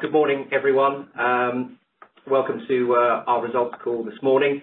Good morning, everyone. Welcome to our results call this morning.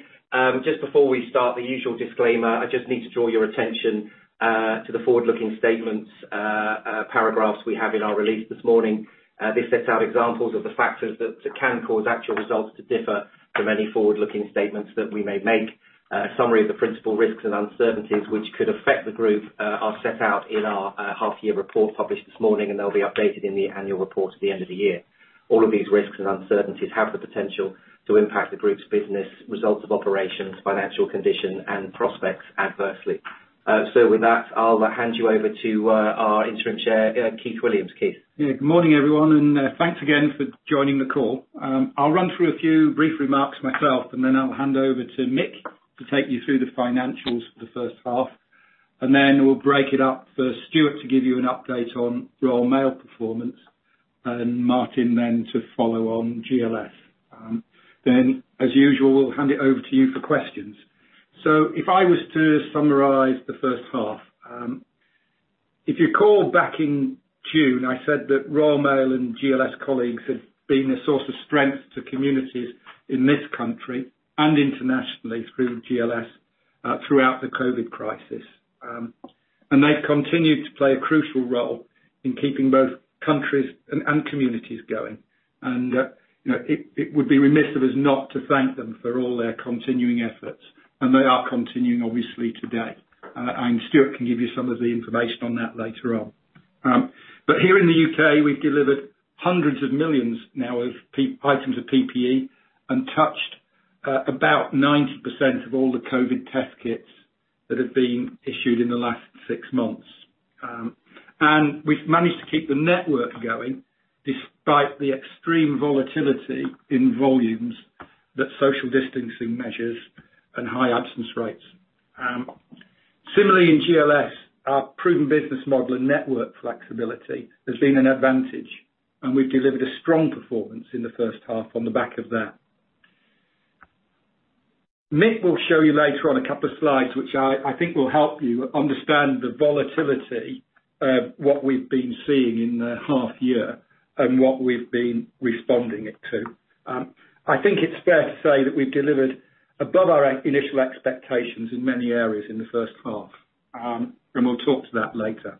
Just before we start, the usual disclaimer, I just need to draw your attention to the forward-looking statements paragraphs we have in our release this morning. This sets out examples of the factors that can cause actual results to differ from any forward-looking statements that we may make. A summary of the principal risks and uncertainties, which could affect the group, are set out in our half year report published this morning, and they'll be updated in the annual report at the end of the year. All of these risks and uncertainties have the potential to impact the group's business, results of operations, financial condition, and prospects adversely. With that, I'll hand you over to our Interim Chair, Keith Williams. Keith? Yeah. Good morning, everyone, thanks again for joining the call. I'll run through a few brief remarks myself, then I'll hand over to Mick to take you through the financials for the first half. Then we'll break it up for Stuart to give you an update on Royal Mail performance, Martin then to follow on GLS. Then as usual, we'll hand it over to you for questions. If I was to summarize the first half. If you recall back in June, I said that Royal Mail and GLS colleagues had been a source of strength to communities in this country and internationally through GLS, throughout the COVID crisis. They've continued to play a crucial role in keeping both countries and communities going. It would be remiss of us not to thank them for all their continuing efforts, they are continuing obviously today. Stuart can give you some of the information on that later on. Here in the U.K., we've delivered hundreds of millions now of items of PPE and touched about 90% of all the COVID-19 test kits that have been issued in the last six months. We've managed to keep the network going despite the extreme volatility in volumes, that social distancing measures, and high absence rates. Similarly in GLS, our proven business model and network flexibility has been an advantage, and we've delivered a strong performance in the first half on the back of that. Mick will show you later on a couple of slides, which I think will help you understand the volatility of what we've been seeing in the half year and what we've been responding it to. I think it's fair to say that we've delivered above our initial expectations in many areas in the first half. We'll talk to that later.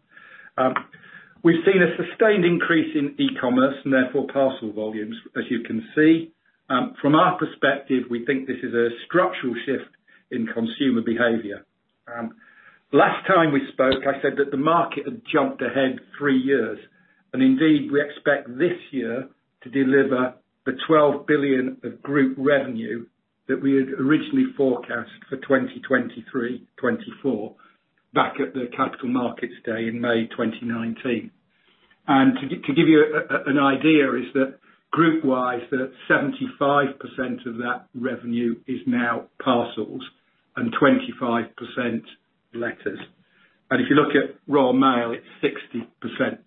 We've seen a sustained increase in e-commerce and therefore parcel volumes, as you can see. From our perspective, we think this is a structural shift in consumer behavior. Last time we spoke, I said that the market had jumped ahead three years. Indeed, we expect this year to deliver the 12 billion of group revenue that we had originally forecasted for 2023/24 back at the Capital Markets Day in May 2019. To give you an idea is that group-wise, that 75% of that revenue is now parcels and 25% letters. If you look at Royal Mail, it's 60%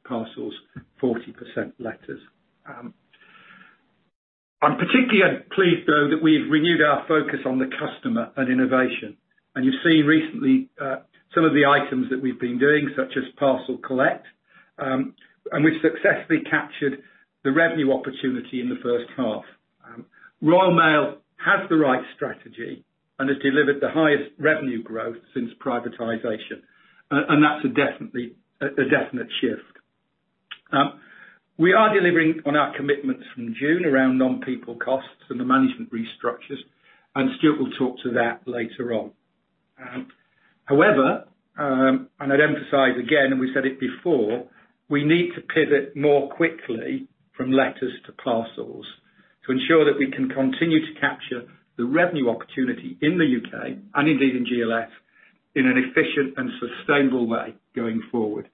parcels, 40% letters. I'm particularly pleased, though, that we've renewed our focus on the customer and innovation. You've seen recently some of the items that we've been doing, such as Parcel Collect, and we've successfully captured the revenue opportunity in the first half. Royal Mail has the right strategy and has delivered the highest revenue growth since privatization. That's a definite shift. We are delivering on our commitments from June around non-people costs and the management restructures, and Stuart will talk to that later on. However, I'd emphasize again, and we've said it before, we need to pivot more quickly from letters to parcels to ensure that we can continue to capture the revenue opportunity in the U.K., and indeed in GLS, in an efficient and sustainable way going forward.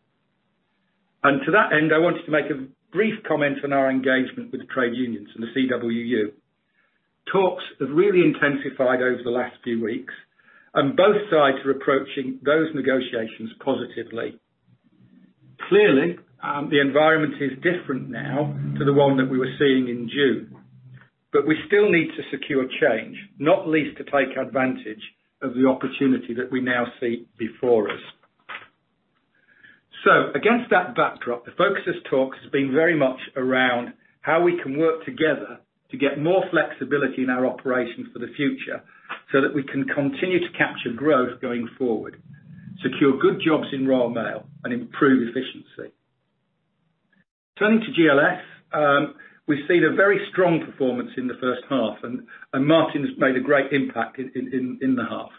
To that end, I wanted to make a brief comment on our engagement with the trade unions and the CWU. Talks have really intensified over the last few weeks. Both sides are approaching those negotiations positively. Clearly, the environment is different now to the one that we were seeing in June. We still need to secure change, not least to take advantage of the opportunity that we now see before us. Against that backdrop, the focus has been very much around how we can work together to get more flexibility in our operations for the future so that we can continue to capture growth going forward, secure good jobs in Royal Mail, and improve efficiency. Turning to GLS, we've seen a very strong performance in the first half, and Martin has made a great impact in the half.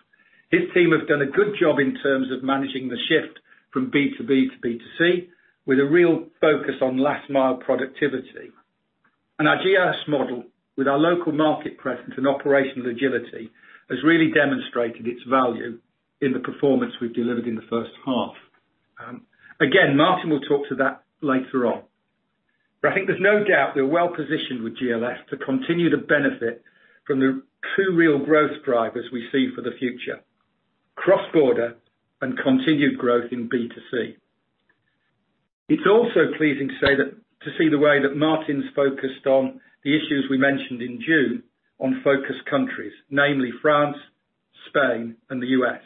His team have done a good job in terms of managing the shift from B2B to B2C with a real focus on last-mile productivity. Our GLS model with our local market presence and operational agility has really demonstrated its value in the performance we've delivered in the first half. Again, Martin will talk to that later on. I think there's no doubt we're well-positioned with GLS to continue to benefit from the two real growth drivers we see for the future: cross-border and continued growth in B2C. It's also pleasing to see the way that Martin's focused on the issues we mentioned in June on focus countries, namely France, Spain, and the U.S.,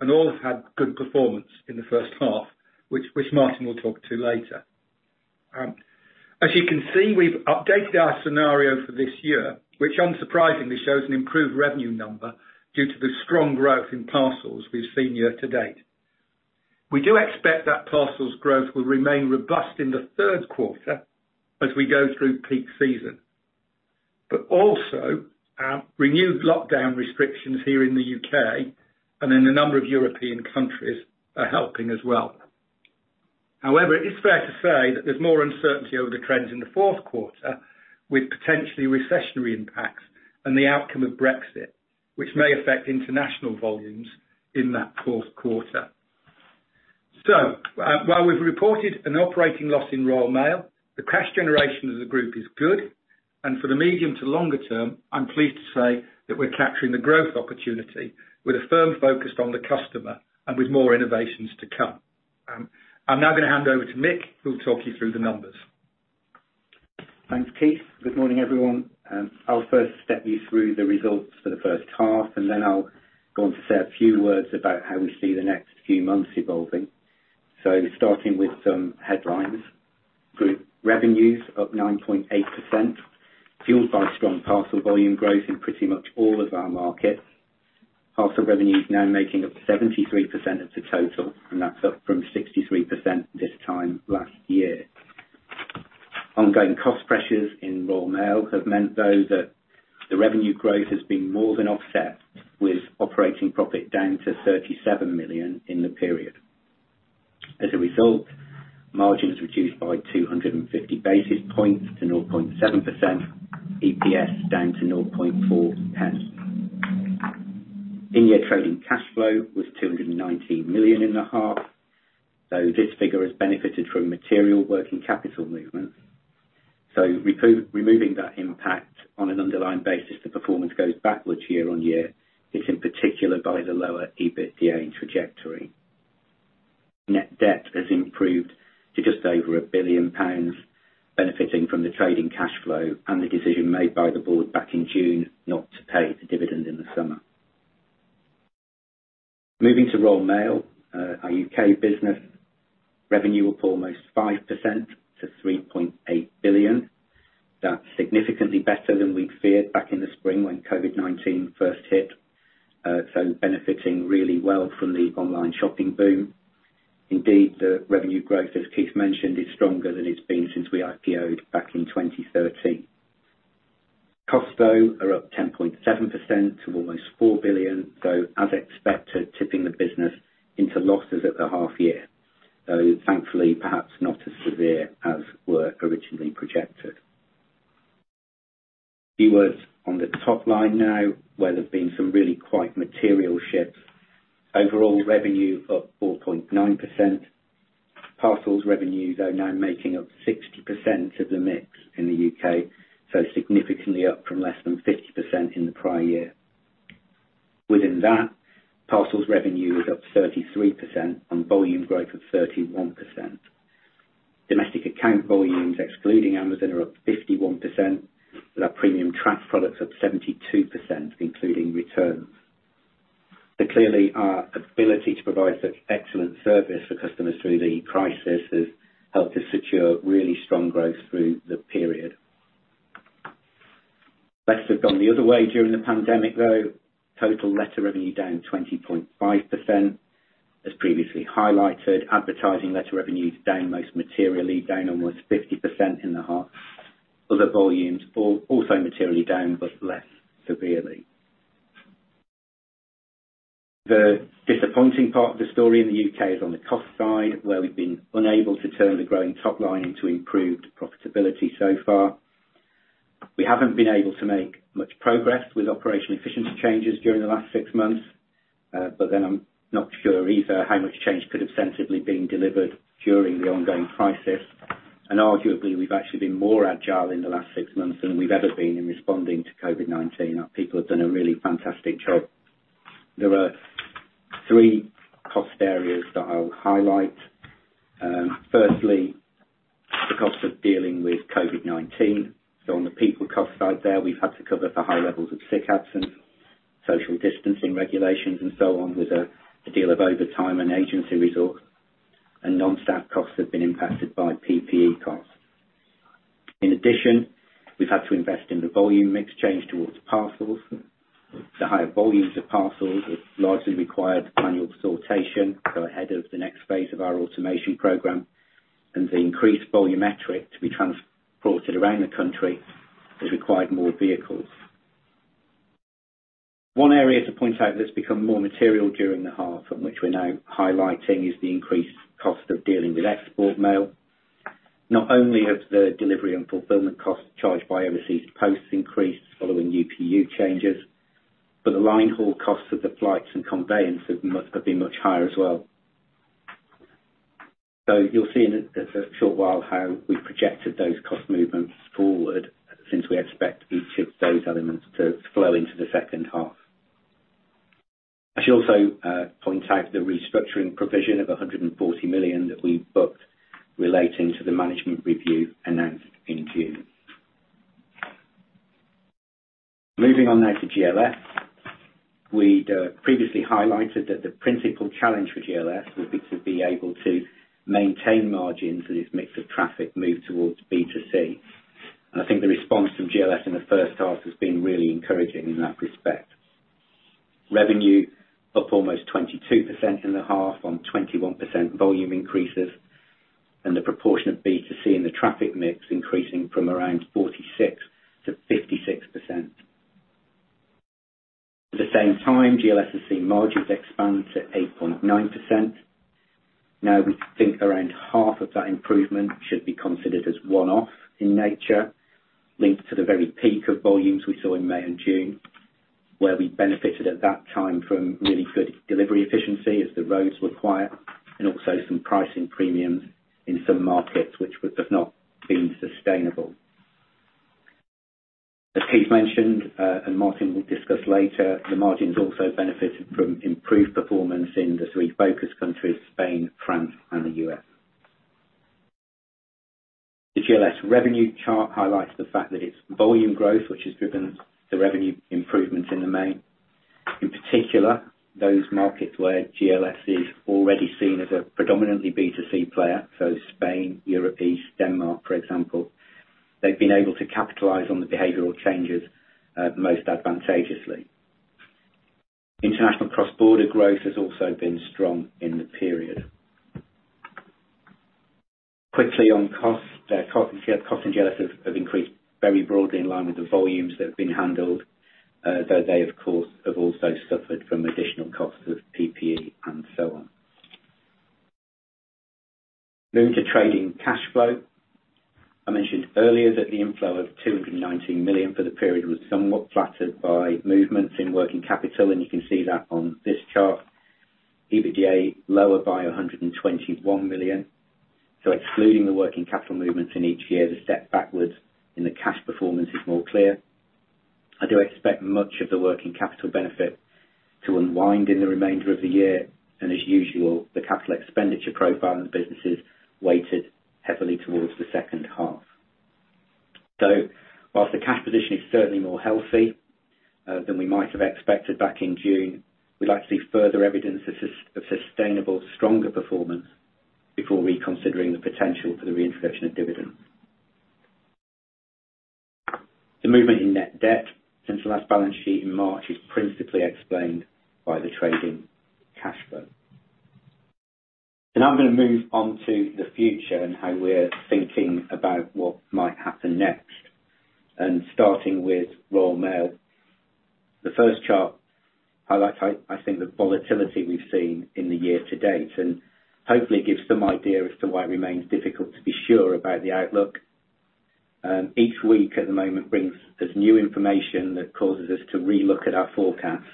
and all have had good performance in the first half, which Martin will talk to later. As you can see, we've updated our scenario for this year, which unsurprisingly shows an improved revenue number due to the strong growth in parcels we've seen year to date. We do expect that parcels growth will remain robust in the third quarter as we go through peak season. Our renewed lockdown restrictions here in the U.K. and in a number of European countries are helping as well. It is fair to say that there's more uncertainty over the trends in the fourth quarter with potentially recessionary impacts and the outcome of Brexit, which may affect international volumes in that fourth quarter. While we've reported an operating loss in Royal Mail, the cash generation of the group is good, and for the medium to longer term, I'm pleased to say that we're capturing the growth opportunity with a firm focus on the customer and with more innovations to come. I'm now going to hand over to Mick, who will talk you through the numbers. Thanks, Keith. Good morning, everyone. I'll first step you through the results for the first half, and then I'll go on to say a few words about how we see the next few months evolving. Starting with some headlines. Group revenues up 9.8%, fueled by strong parcel volume growth in pretty much all of our markets. Parcel revenue now making up 73% of the total, and that's up from 63% this time last year. Ongoing cost pressures in Royal Mail have meant, though, that the revenue growth has been more than offset, with operating profit down to 37 million in the period. As a result, margin is reduced by 250 basis points to 0.7%. EPS down to 0.004. In-year trading cash flow was 219 million in the half, though this figure has benefited from material working capital movements. Removing that impact on an underlying basis to performance goes backwards year-on-year. This in particular by the lower EBITDA trajectory. Net debt has improved to just over 1 billion pounds, benefiting from the trading cash flow and the decision made by the board back in June not to pay the dividend in the summer. Moving to Royal Mail, our U.K. business revenue up almost 5% to 3.8 billion. That's significantly better than we'd feared back in the spring when COVID-19 first hit. Benefiting really well from the online shopping boom. Indeed, the revenue growth, as Keith mentioned, is stronger than it's been since we IPO-ed back in 2013. Costs are up 10.7% to almost 4 billion, though as expected, tipping the business into losses at the half year. Thankfully, perhaps not as severe as were originally projected. A few words on the top line now, where there's been some really quite material shifts. Overall revenue up 4.9%. Parcels revenue though now making up 60% of the mix in the U.K., so significantly up from less than 50% in the prior year. Within that, parcels revenue is up 33% on volume growth of 31%. Domestic account volumes, excluding Amazon, are up 51%, with our premium tracked products up 72%, including returns. Clearly, our ability to provide such excellent service for customers through the crisis has helped us secure really strong growth through the period. Letters have gone the other way during the pandemic, though. Total letter revenue down 20.5%. As previously highlighted, advertising letter revenue is down most materially, down almost 50% in the half. Other volumes also materially down, but less severely. The disappointing part of the story in the U.K. is on the cost side, where we've been unable to turn the growing top line into improved profitability so far. We haven't been able to make much progress with operation efficiency changes during the last six months. I'm not sure either how much change could have sensibly been delivered during the ongoing crisis. Arguably, we've actually been more agile in the last six months than we've ever been in responding to COVID-19. Our people have done a really fantastic job. There are three cost areas that I'll highlight. Firstly, the cost of dealing with COVID-19. On the people cost side there, we've had to cover for high levels of sick absence, social distancing regulations and so on with a deal of overtime and agency resource, and non-staff costs have been impacted by PPE costs. In addition, we've had to invest in the volume mix change towards parcels. The higher volumes of parcels have largely required manual sortation so ahead of the next phase of our automation program, and the increased volumetric to be transported around the country has required more vehicles. One area to point out that's become more material during the half and which we're now highlighting is the increased cost of dealing with export mail. Not only have the delivery and fulfillment costs charged by overseas posts increased following UPU changes, but the line-haul costs of the flights and conveyance have been much higher as well. You'll see in a short while how we've projected those cost movements forward since we expect each of those elements to flow into the second half. I should also point out the restructuring provision of 140 million that we booked relating to the management review announced in June. Moving on now to GLS. We'd previously highlighted that the principal challenge for GLS would be to be able to maintain margins as this mix of traffic moved towards B2C. I think the response from GLS in the first half has been really encouraging in that respect. Revenue up almost 22% in the half on 21% volume increases, and the proportion of B2C in the traffic mix increasing from around 46% to 56%. At the same time, GLS has seen margins expand to 8.9%. We think around half of that improvement should be considered as one-off in nature, linked to the very peak of volumes we saw in May and June, where we benefited at that time from really good delivery efficiency as the roads were quiet, and also some pricing premiums in some markets which would have not been sustainable. As Keith mentioned, and Martin will discuss later, the margins also benefited from improved performance in the three focus countries, Spain, France, and the U.S. The GLS revenue chart highlights the fact that its volume growth, which has driven the revenue improvements in the main. In particular, those markets where GLS is already seen as a predominantly B2C player, so Spain, Europe East, Denmark, for example. International cross-border growth has also been strong in the period. Quickly on costs. Costs in GLS have increased very broadly in line with the volumes that have been handled, though they, of course, have also suffered from additional costs of PPE and so on. Moving to trading cash flow. I mentioned earlier that the inflow of 219 million for the period was somewhat flattered by movements in working capital, and you can see that on this chart. EBITDA lower by 121 million. Excluding the working capital movements in each year, the step backwards in the cash performance is more clear. I do expect much of the working capital benefit to unwind in the remainder of the year, and as usual, the capital expenditure profile of the business is weighted heavily towards the second half. Whilst the cash position is certainly more healthy than we might have expected back in June, we'd like to see further evidence of sustainable stronger performance before reconsidering the potential for the reinstitution of dividends. The movement in net debt since the last balance sheet in March is principally explained by the trading cash flow. Now I'm going to move on to the future and how we're thinking about what might happen next. Starting with Royal Mail. The first chart highlights, I think the volatility we've seen in the year to date and hopefully gives some idea as to why it remains difficult to be sure about the outlook. Each week at the moment brings us new information that causes us to relook at our forecasts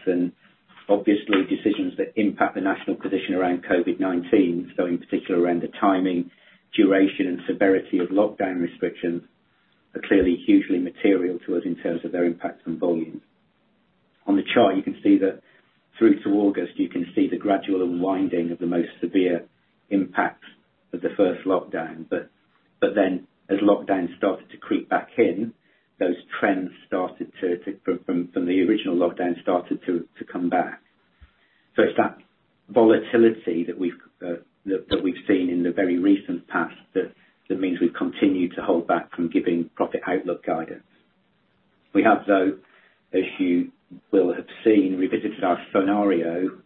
and obviously decisions that impact the national position around COVID-19. In particular around the timing, duration, and severity of lockdown restrictions are clearly hugely material to us in terms of their impact on volumes. On the chart you can see that through to August, you can see the gradual unwinding of the most severe impacts of the first lockdown. As lockdowns started to creep back in, those trends from the original lockdown started to come back. It's that volatility that we've seen in the very recent past that means we've continued to hold back from giving profit outlook guidance. We have though, as you will have seen, revisited our scenario,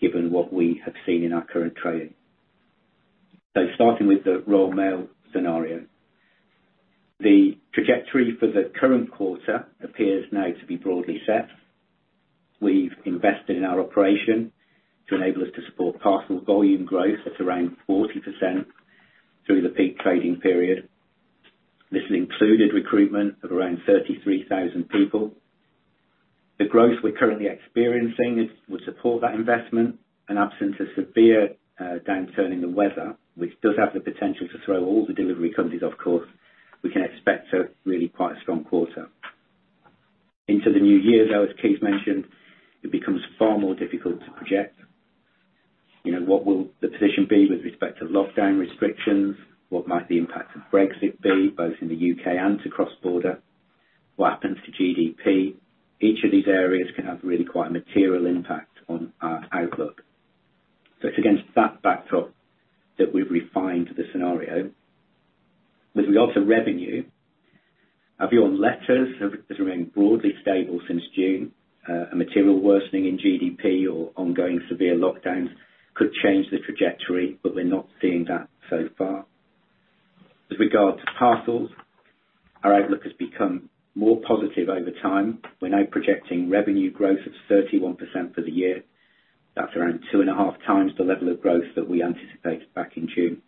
given what we have seen in our current trading. Starting with the Royal Mail scenario. The trajectory for the current quarter appears now to be broadly set. We've invested in our operation to enable us to support parcel volume growth at around 40% through the peak trading period. This has included recruitment of around 33,000 people. The growth we're currently experiencing will support that investment in absence of severe downturn in the weather, which does have the potential to throw all the delivery companies off course, we can expect a really quite strong quarter. Into the new year, though, as Keith mentioned, it becomes far more difficult to project. What will the position be with respect to lockdown restrictions? What might the impact of Brexit be, both in the U.K. and to cross-border? What happens to GDP? Each of these areas can have really quite a material impact on our outlook. It's against that backdrop that we've refined the scenario. With regards to revenue, our view on letters has remained broadly stable since June. A material worsening in GDP or ongoing severe lockdowns could change the trajectory. We're not seeing that so far. As regards to parcels, our outlook has become more positive over time. We're now projecting revenue growth of 31% for the year. That's around two and a half times the level of growth that we anticipated back in June.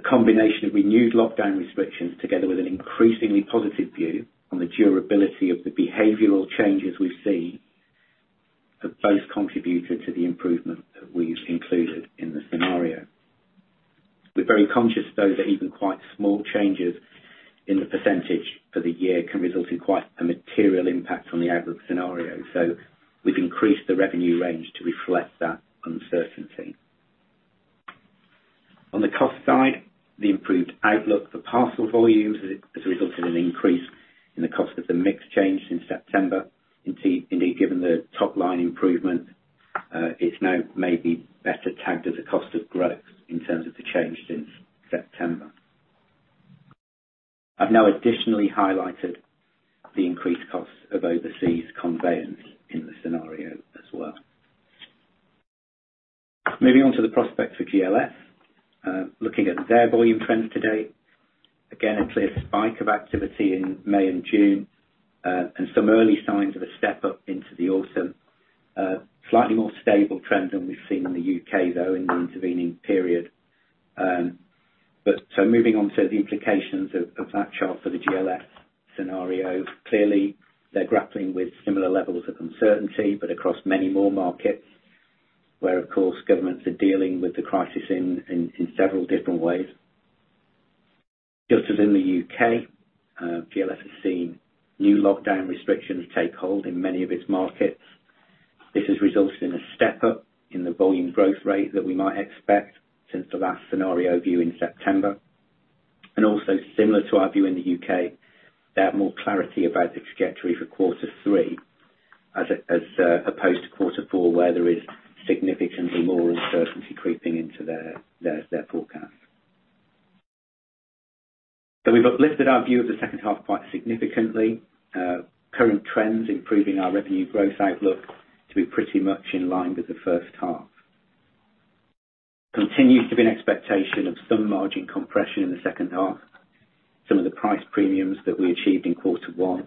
The combination of renewed lockdown restrictions together with an increasingly positive view on the durability of the behavioral changes we see have both contributed to the improvement that we've included in the scenario. We're very conscious, though, that even quite small changes in the percentage for the year can result in quite a material impact on the outlook scenario. We've increased the revenue range to reflect that uncertainty. On the cost side, the improved outlook for parcel volumes has resulted in an increase in the cost of the mix change since September. Indeed, given the top-line improvement, it's now maybe better tagged as a cost of growth in terms of the change since September. I've now additionally highlighted the increased costs of overseas conveyance in the scenario as well. Moving on to the prospects for GLS. Looking at their volume trends to date, again, a clear spike of activity in May and June, and some early signs of a step up into the autumn. Slightly more stable trend than we've seen in the U.K., though, in the intervening period. Moving on to the implications of that chart for the GLS scenario. Clearly they're grappling with similar levels of uncertainty, but across many more markets, where, of course, governments are dealing with the crisis in several different ways. Just as in the U.K., GLS has seen new lockdown restrictions take hold in many of its markets. This has resulted in a step up in the volume growth rate that we might expect since the last scenario view in September. Similar to our view in the U.K., they have more clarity about the trajectory for Q3 as opposed to Q4 where there is significantly more uncertainty creeping into their forecast. We've uplifted our view of the second half quite significantly. Current trends improving our revenue growth outlook to be pretty much in line with the first half. Continues to be an expectation of some margin compression in the second half. Some of the price premiums that we achieved in Q1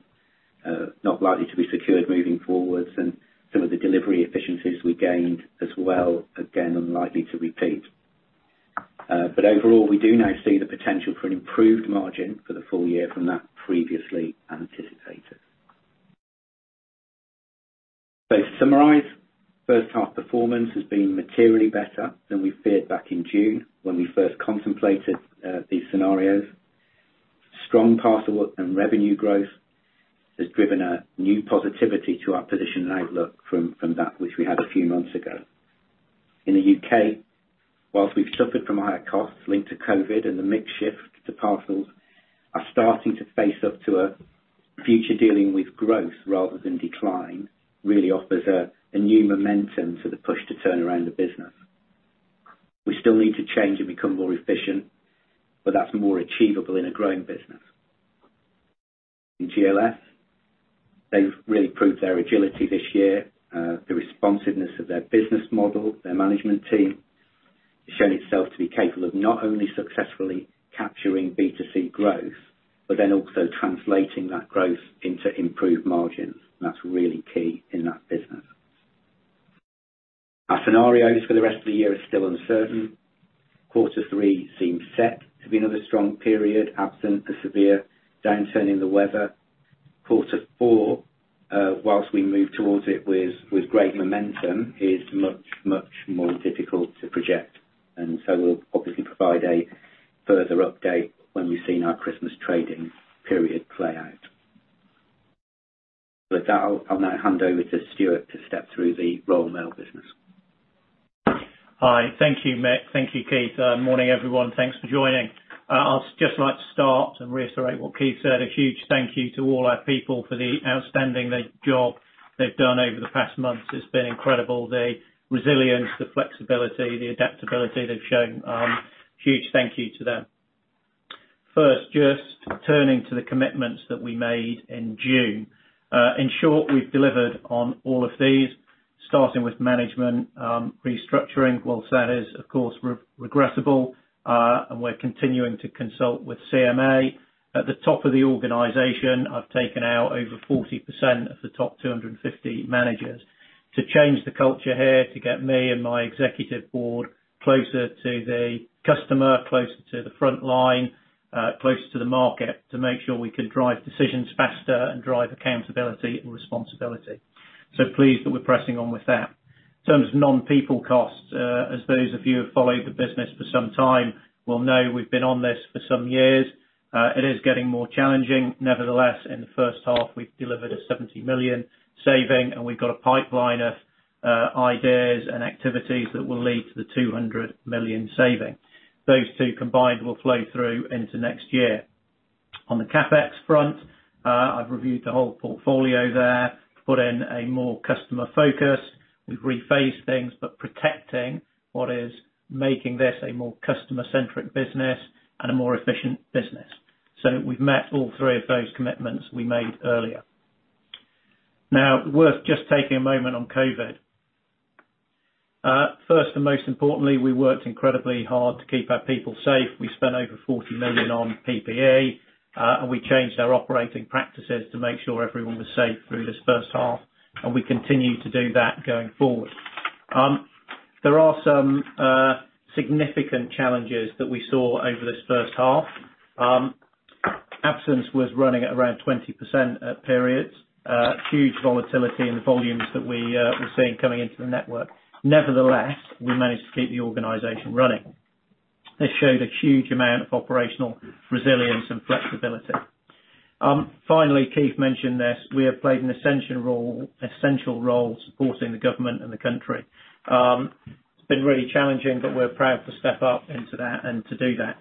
are not likely to be secured moving forwards, and some of the delivery efficiencies we gained as well, again, unlikely to repeat. Overall, we do now see the potential for an improved margin for the full year from that previously anticipated. To summarize, first half performance has been materially better than we feared back in June when we first contemplated these scenarios. Strong parcel and revenue growth has driven a new positivity to our position and outlook from that which we had a few months ago. In the U.K., whilst we've suffered from higher costs linked to COVID-19 and the mix shift to parcels are starting to face up to a future dealing with growth rather than decline, really offers a new momentum to the push to turn around the business. We still need to change and become more efficient. That's more achievable in a growing business. In GLS, they've really proved their agility this year. The responsiveness of their business model, their management team has shown itself to be capable of not only successfully capturing B2C growth, then also translating that growth into improved margins. That's really key in that business. Our scenarios for the rest of the year are still uncertain. Q3 seems set to be another strong period absent a severe downturn in the weather. Q4, whilst we move towards it with great momentum, is much more difficult to project, so we'll obviously provide a further update when we've seen our Christmas trading period play out. With that, I'll now hand over to Stuart to step through the Royal Mail business. Hi. Thank you, Mick. Thank you, Keith. Morning, everyone. Thanks for joining. I'll just like to start and reiterate what Keith said. A huge thank you to all our people for the outstanding job they've done over the past months. It's been incredible. The resilience, the flexibility, the adaptability they've shown. Huge thank you to them. First, just turning to the commitments that we made in June. In short, we've delivered on all of these, starting with management restructuring. Whilst that is, of course, regrettable, and we're continuing to consult with CMA. At the top of the organization, I've taken out over 40% of the top 250 managers to change the culture here, to get me and my executive board closer to the customer, closer to the front line, closer to the market, to make sure we can drive decisions faster and drive accountability and responsibility. Pleased that we're pressing on with that. In terms of non-people costs, as those of you who've followed the business for some time will know, we've been on this for some years. It is getting more challenging. Nevertheless, in the first half, we've delivered a 70 million saving, and we've got a pipeline of ideas and activities that will lead to the 200 million saving. Those two combined will flow through into next year. On the CapEx front, I've reviewed the whole portfolio there. Put in a more customer focus. We've rephased things, but protecting what is making this a more customer-centric business and a more efficient business. We've met all three of those commitments we made earlier. Worth just taking a moment on COVID. First, and most importantly, we worked incredibly hard to keep our people safe. We spent over 40 million on PPE. We changed our operating practices to make sure everyone was safe through this first half, and we continue to do that going forward. There are some significant challenges that we saw over this first half. Absence was running at around 20% at periods. Huge volatility in the volumes that we were seeing coming into the network. Nevertheless, we managed to keep the organization running. This showed a huge amount of operational resilience and flexibility. Finally, Keith mentioned this, we have played an essential role supporting the government and the country. It's been really challenging, but we're proud to step up into that and to do that.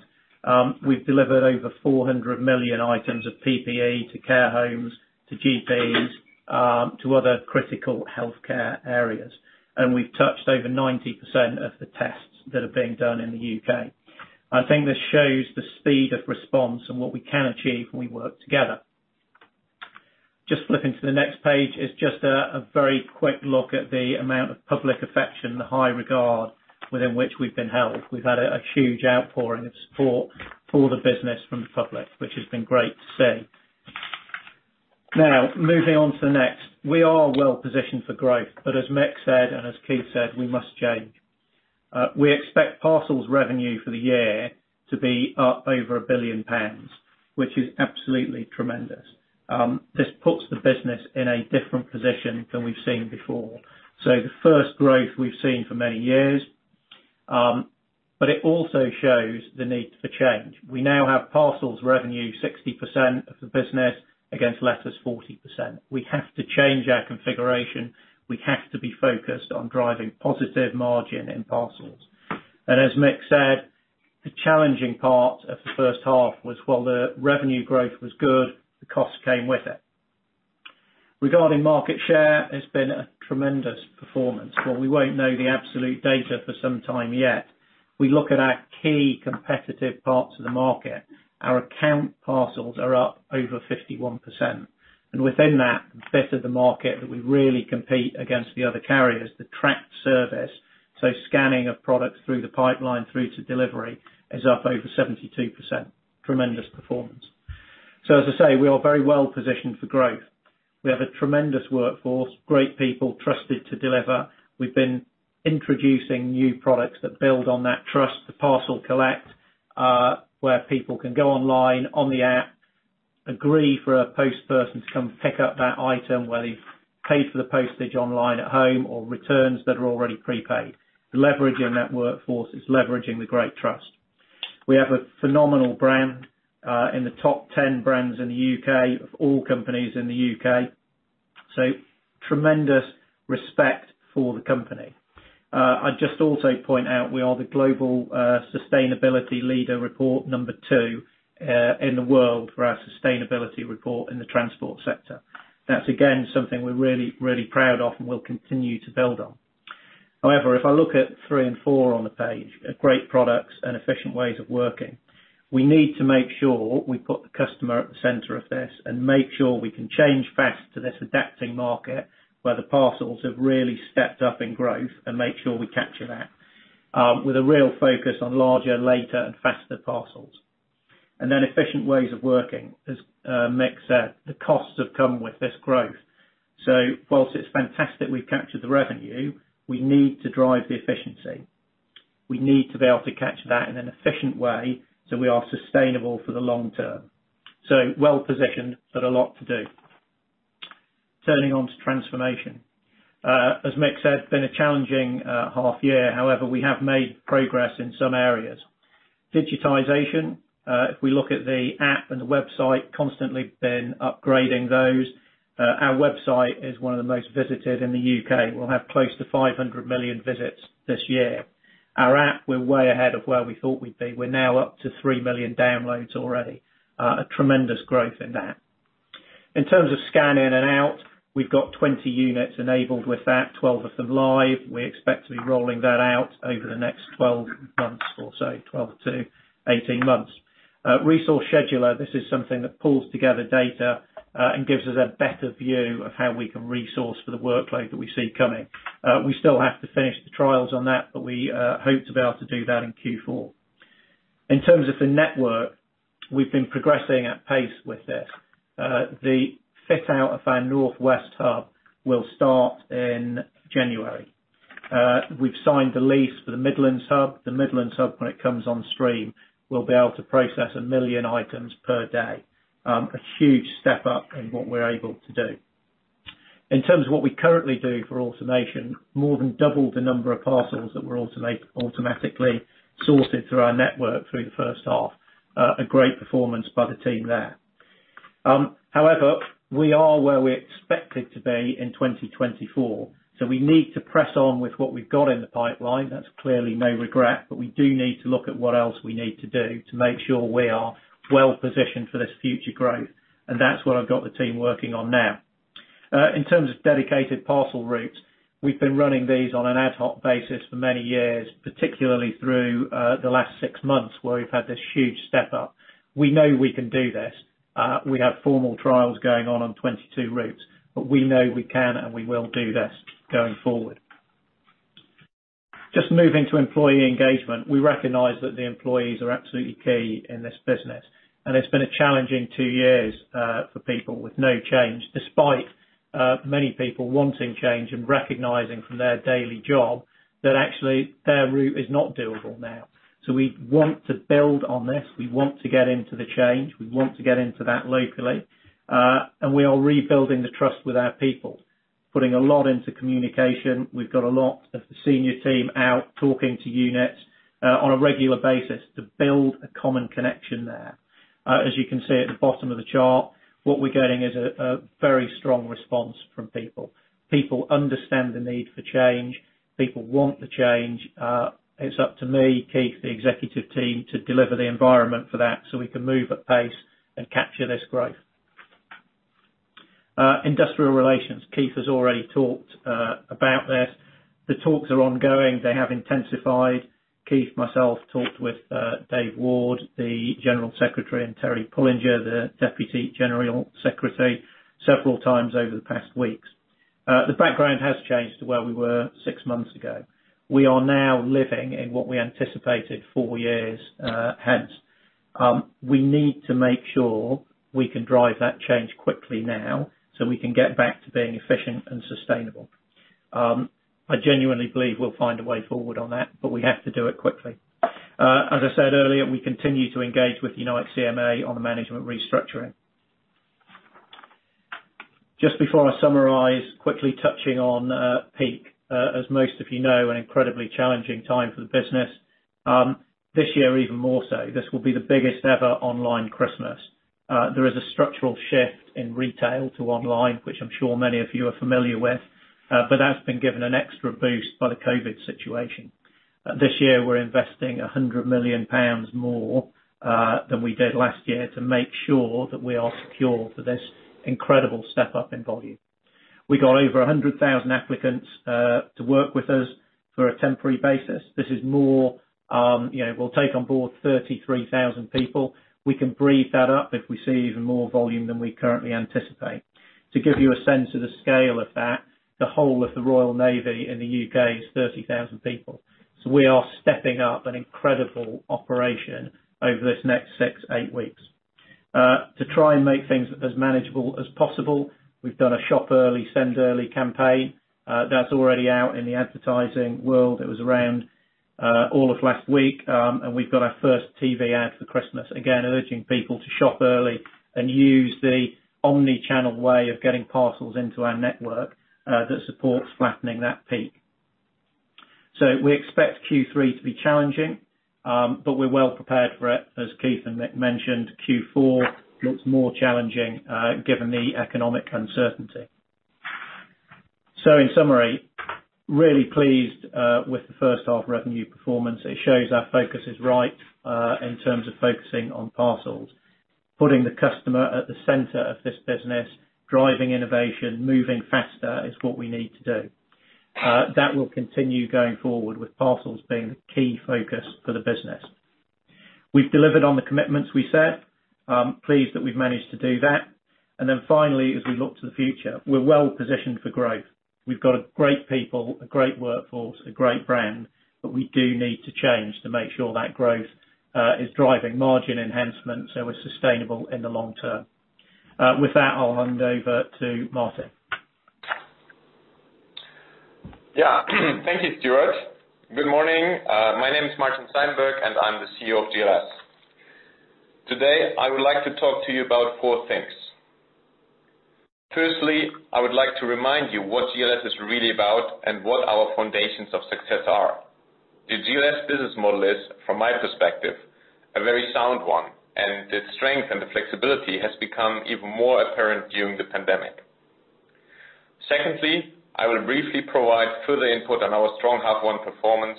We've delivered over 400 million items of PPE to care homes, to GPs, to other critical healthcare areas, and we've touched over 90% of the tests that are being done in the U.K. I think this shows the speed of response and what we can achieve when we work together. Just flipping to the next page is just a very quick look at the amount of public affection, the high regard within which we've been held. We've had a huge outpouring of support for the business from the public, which has been great to see. Now, moving on to the next. We are well-positioned for growth. As Mick said, and as Keith said, we must change. We expect parcels revenue for the year to be up over 1 billion pounds, which is absolutely tremendous. This puts the business in a different position than we've seen before. The first growth we've seen for many years, but it also shows the need for change. We now have parcels revenue 60% of the business against Letters 40%. We have to change our configuration. We have to be focused on driving positive margin in parcels. As Mick said, the challenging part of the first half was while the revenue growth was good, the cost came with it. Regarding market share, it's been a tremendous performance. While we won't know the absolute data for some time yet, we look at our key competitive parts of the market. Our account parcels are up over 51%, and within that bit of the market that we really compete against the other carriers, the tracked service, so scanning of products through the pipeline through to delivery is up over 72%. Tremendous performance. As I say, we are very well positioned for growth. We have a tremendous workforce, great people trusted to deliver. We've been introducing new products that build on that trust to Parcel Collect, where people can go online on the app, agree for a post person to come pick up that item where they've paid for the postage online at home, or returns that are already prepaid. Leveraging that workforce is leveraging the great trust. We have a phenomenal brand, in the top 10 brands in the U.K. of all companies in the U.K. Tremendous respect for the company. I'd just also point out we are the global sustainability leader report number two in the world for our sustainability report in the transport sector. That's, again, something we're really proud of and will continue to build on. If I look at three and four on the page, great products and efficient ways of working. We need to make sure we put the customer at the center of this and make sure we can change fast to this adapting market where the parcels have really stepped up in growth and make sure we capture that with a real focus on larger, later, and faster parcels. Efficient ways of working. As Mick said, the costs have come with this growth. Whilst it's fantastic we've captured the revenue, we need to drive the efficiency. We need to be able to capture that in an efficient way so we are sustainable for the long term. Well-positioned, but a lot to do. Turning on to transformation. As Mick said, it's been a challenging half year. However, we have made progress in some areas. Digitization. If we look at the app and the website, we have constantly been upgrading those. Our website is one of the most visited in the U.K. We'll have close to 500 million visits this year. Our app, we're way ahead of where we thought we'd be. We're now up to 3 million downloads already. A tremendous growth in that. In terms of scan in and out, we've got 20 units enabled with that, 12 of them live. We expect to be rolling that out over the next 12 months or so, 12-18 months. Resource scheduler, this is something that pulls together data and gives us a better view of how we can resource for the workload that we see coming. We still have to finish the trials on that, but we hope to be able to do that in Q4. In terms of the network, we've been progressing at pace with this. The fit out of our North West hub will start in January. We've signed the lease for the Midlands hub. The Midlands hub, when it comes on stream, will be able to process 1 million items per day. A huge step up in what we're able to do. In terms of what we currently do for automation, more than double the number of parcels that were automatically sorted through our network through the first half. A great performance by the team there. We are where we're expected to be in 2024. We need to press on with what we've got in the pipeline. That's clearly no regret, but we do need to look at what else we need to do to make sure we are well-positioned for this future growth. That's what I've got the team working on now. In terms of dedicated parcel routes, we've been running these on an ad hoc basis for many years, particularly through the last six months where we've had this huge step up. We know we can do this. We have formal trials going on on 22 routes. We know we can and we will do this going forward. Just moving to employee engagement. We recognize that the employees are absolutely key in this business, and it's been a challenging two years for people with no change despite many people wanting change and recognizing from their daily job that actually their route is not doable now. We want to build on this. We want to get into the change. We want to get into that locally. We are rebuilding the trust with our people. Putting a lot into communication. We've got a lot of the senior team out talking to units on a regular basis to build a common connection there. As you can see at the bottom of the chart, what we're getting is a very strong response from people. People understand the need for change. People want the change. It's up to me, Keith, the Executive Team, to deliver the environment for that so we can move at pace and capture this growth. Industrial relations. Keith has already talked about this. The talks are ongoing. They have intensified. Keith, myself, talked with Dave Ward, the General Secretary, and Terry Pullinger, the Deputy General Secretary, several times over the past weeks. The background has changed to where we were six months ago. We are now living in what we anticipated four years hence. We need to make sure we can drive that change quickly now, so we can get back to being efficient and sustainable. I genuinely believe we'll find a way forward on that, but we have to do it quickly. As I said earlier, we continue to engage with Unite CMA on the management restructuring. Just before I summarize, quickly touching on peak. As most of you know, an incredibly challenging time for the business. This year, even more so. This will be the biggest ever online Christmas. There is a structural shift in retail to online, which I'm sure many of you are familiar with, but that's been given an extra boost by the COVID situation. This year, we're investing 100 million pounds more than we did last year to make sure that we are secure for this incredible step up in volume. We got over 100,000 applicants to work with us for a temporary basis. We'll take on board 33,000 people. We can breathe that up if we see even more volume than we currently anticipate. To give you a sense of the scale of that, the whole of the Royal Navy in the U.K. is 30,000 people. We are stepping up an incredible operation over this next six, eight weeks. To try and make things as manageable as possible, we've done a shop early, send early campaign. That's already out in the advertising world. It was around all of last week. We've got our first TV ad for Christmas, again, urging people to shop early and use the omni-channel way of getting parcels into our network that supports flattening that peak. We expect Q3 to be challenging, but we're well prepared for it. As Keith and Mick mentioned, Q4 looks more challenging given the economic uncertainty. In summary, really pleased with the first half revenue performance. It shows our focus is right in terms of focusing on parcels. Putting the customer at the center of this business, driving innovation, moving faster is what we need to do. That will continue going forward with parcels being the key focus for the business. We've delivered on the commitments we set. Pleased that we've managed to do that. Finally, as we look to the future, we're well positioned for growth. We've got great people, a great workforce, a great brand, but we do need to change to make sure that growth is driving margin enhancement, so we're sustainable in the long term. With that, I'll hand over to Martin. Thank you, Stuart. Good morning. My name is Martin Seidenberg, and I'm the CEO of GLS. Today, I would like to talk to you about four things. Firstly, I would like to remind you what GLS is really about and what our foundations of success are. The GLS business model is, from my perspective, a very sound one, and its strength and the flexibility has become even more apparent during the pandemic. Secondly, I will briefly provide further input on our strong half one performance,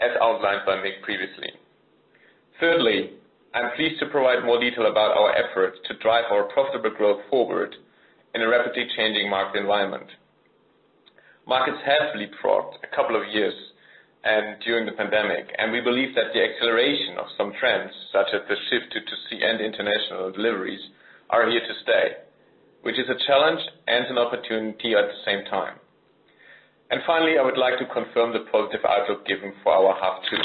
as outlined by Mick previously. Thirdly, I'm pleased to provide more detail about our efforts to drive our profitable growth forward in a rapidly changing market environment. Markets have leapfrogged a couple of years and during the pandemic, and we believe that the acceleration of some trends, such as the shift to B2C and international deliveries, are here to stay. Which is a challenge and an opportunity at the same time. Finally, I would like to confirm the positive outlook given for our half two.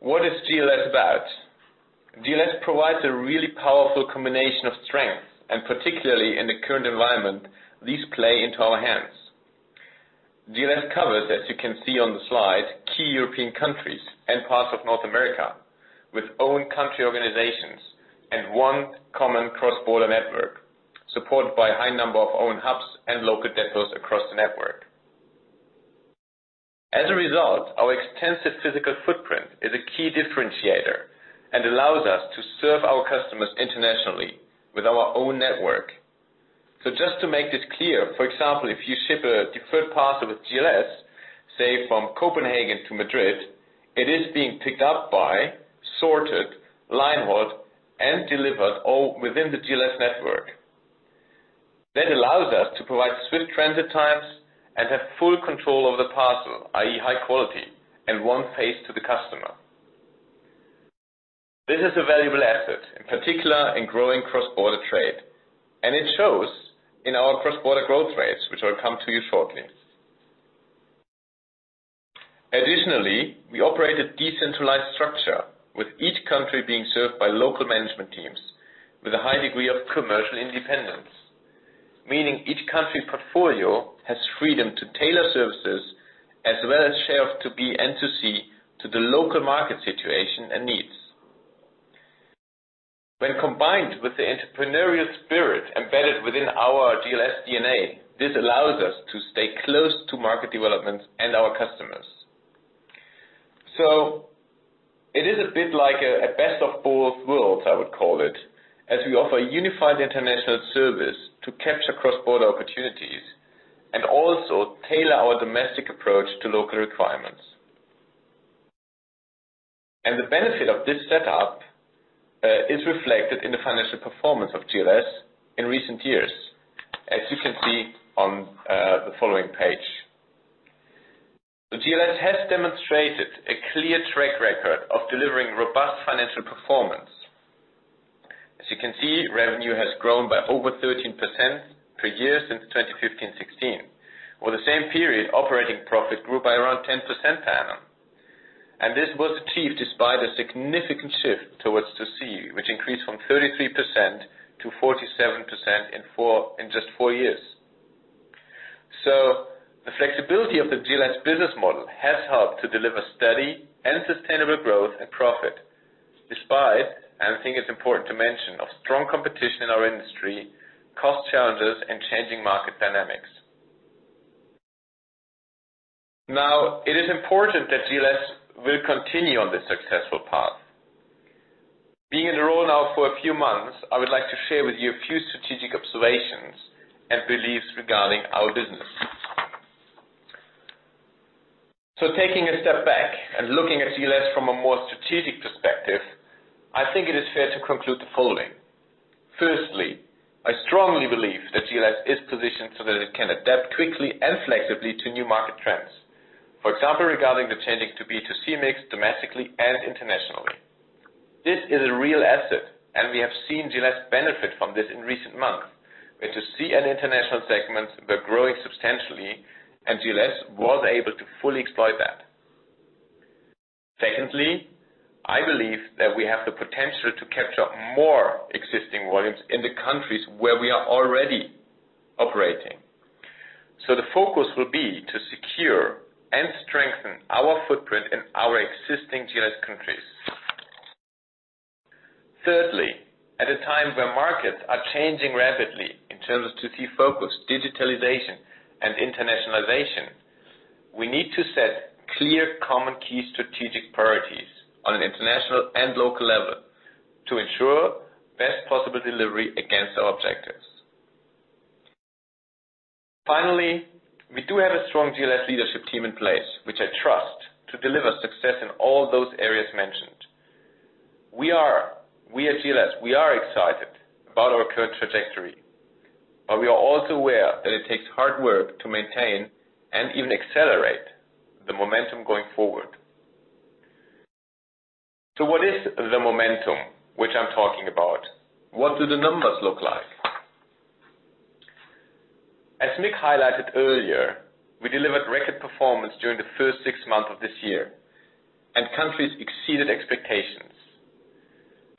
What is GLS about? GLS provides a really powerful combination of strengths, particularly in the current environment, these play into our hands. GLS covers, as you can see on the slide, key European countries and parts of North America with own country organizations and one common cross-border network, supported by a high number of own hubs and local depots across the network. As a result, our extensive physical footprint is a key differentiator and allows us to serve our customers internationally with our own network. Just to make this clear, for example, if you ship a deferred parcel with GLS, say from Copenhagen to Madrid, it is being picked up by, sorted, line hauled, and delivered all within the GLS network. That allows us to provide swift transit times and have full control over the parcel, i.e., high quality and one face to the customer. This is a valuable asset, in particular in growing cross-border trade. It shows in our cross-border growth rates, which I'll come to you shortly. Additionally, we operate a decentralized structure with each country being served by local management teams with a high degree of commercial independence. Meaning each country portfolio has freedom to tailor services as well as share B2B and B2C to the local market situation and needs. When combined with the entrepreneurial spirit embedded within our GLS DNA, this allows us to stay close to market developments and our customers. It is a bit like a best of both worlds, I would call it, as we offer unified international service to capture cross-border opportunities and also tailor our domestic approach to local requirements. The benefit of this setup is reflected in the financial performance of GLS in recent years, as you can see on the following page. GLS has demonstrated a clear track record of delivering robust financial performance. As you can see, revenue has grown by over 13% per year since 2015/16. Over the same period, operating profit grew by around 10% per annum. This was achieved despite a significant shift towards 2C, which increased from 33%-47% in just four years. The flexibility of the GLS business model has helped to deliver steady and sustainable growth and profit, despite, and I think it's important to mention, of strong competition in our industry, cost challenges, and changing market dynamics. It is important that GLS will continue on this successful path. Being in the role now for a few months, I would like to share with you a few strategic observations and beliefs regarding our business. Taking a step back and looking at GLS from a more strategic perspective, I think it is fair to conclude the following. Firstly, I strongly believe that GLS is positioned so that it can adapt quickly and flexibly to new market trends. For example, regarding the changing B2B/B2C mix domestically and internationally. This is a real asset, and we have seen GLS benefit from this in recent months, where B2C and international segments were growing substantially and GLS was able to fully exploit that. Secondly, I believe that we have the potential to capture more existing volumes in the countries where we are already operating. The focus will be to secure and strengthen our footprint in our existing GLS countries. Thirdly, at a time where markets are changing rapidly in terms of B2C focus, digitalization, and internationalization, we need to set clear common key strategic priorities on an international and local level to ensure best possible delivery against our objectives. Finally, we do have a strong GLS leadership team in place, which I trust to deliver success in all those areas mentioned. We at GLS, we are excited about our current trajectory, but we are also aware that it takes hard work to maintain and even accelerate the momentum going forward. What is the momentum which I'm talking about? What do the numbers look like? As Mick highlighted earlier, we delivered record performance during the first six months of this year, and countries exceeded expectations.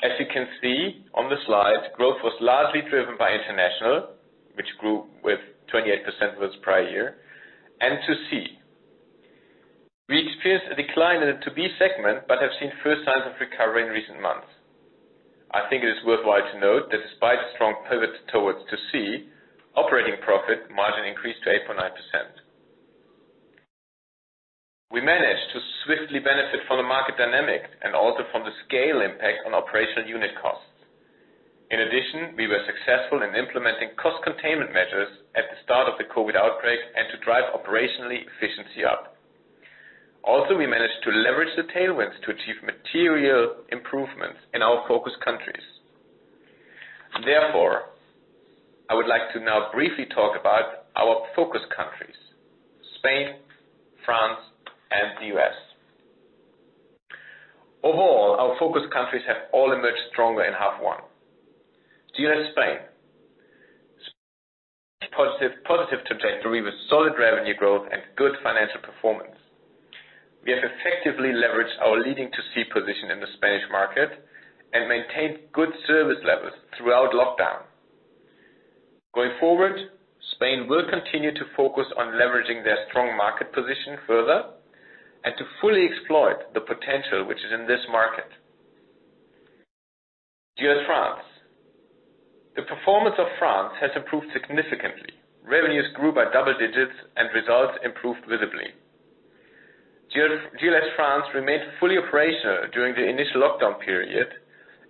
As you can see on the slide, growth was largely driven by international, which grew with 28% versus prior year, and B2C. We experienced a decline in the B2B segment but have seen first signs of recovery in recent months. I think it is worthwhile to note that despite the strong pivot towards B2C, operating profit margin increased to 8.9%. We managed to swiftly benefit from the market dynamic and also from the scale impact on operational unit costs. We were successful in implementing cost containment measures at the start of the COVID-19 outbreak and to drive operational efficiency up. We managed to leverage the tailwinds to achieve material improvements in our focus countries. I would like to now briefly talk about our focus countries, Spain, France, and the U.S. Our focus countries have all emerged stronger in half one. GLS Spain. Positive trajectory with solid revenue growth and good financial performance. We have effectively leveraged our leading B2C position in the Spanish market and maintained good service levels throughout lockdown. Going forward, Spain will continue to focus on leveraging their strong market position further and to fully exploit the potential which is in this market. GLS France. The performance of France has improved significantly. Revenues grew by double digits and results improved visibly. GLS France remained fully operational during the initial lockdown period,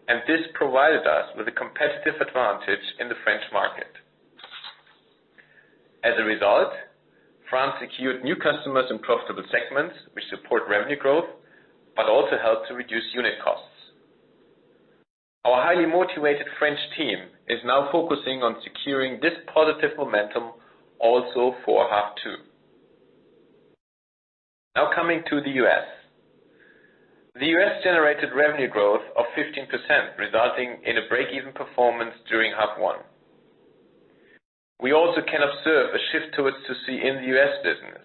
and this provided us with a competitive advantage in the French market. As a result, France secured new customers in profitable segments, which support revenue growth but also helped to reduce unit costs. Our highly motivated French team is now focusing on securing this positive momentum also for half two. Coming to the U.S. The U.S. generated revenue growth of 15%, resulting in a break-even performance during half one. We also can observe a shift towards B2C in the U.S. business.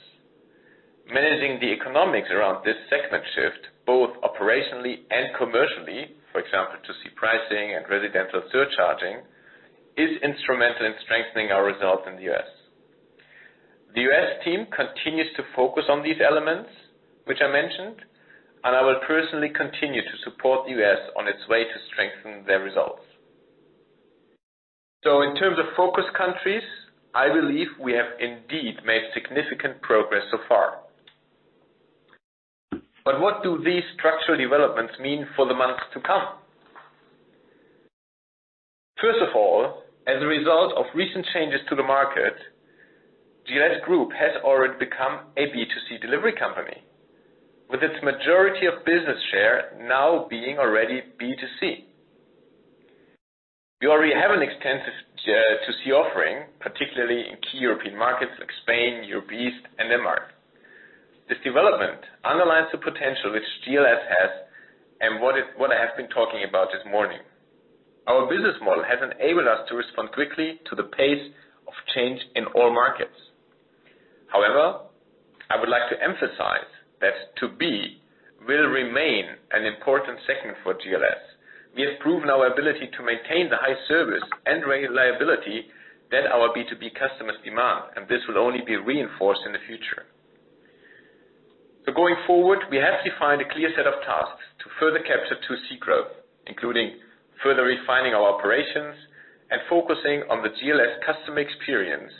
Managing the economics around this segment shift, both operationally and commercially, for example, B2C pricing and residential surcharging, is instrumental in strengthening our results in the U.S. continues to focus on these elements which I mentioned, and I will personally continue to support U.S. on its way to strengthen their results. In terms of focus countries, I believe we have indeed made significant progress so far. What do these structural developments mean for the months to come? First of all, as a result of recent changes to the market, GLS Group has already become a B2C delivery company, with its majority of business share now being already B2C. We already have an extensive B2C offering, particularly in key European markets like Spain, Europe East, and Denmark. This development underlines the potential which GLS has and what I have been talking about this morning. Our business model has enabled us to respond quickly to the pace of change in all markets. However, I would like to emphasize that B2B will remain an important segment for GLS. We have proven our ability to maintain the high service and reliability that our B2B customers demand. This will only be reinforced in the future. Going forward, we have defined a clear set of tasks to further capture B2C growth, including further refining our operations and focusing on the GLS customer experience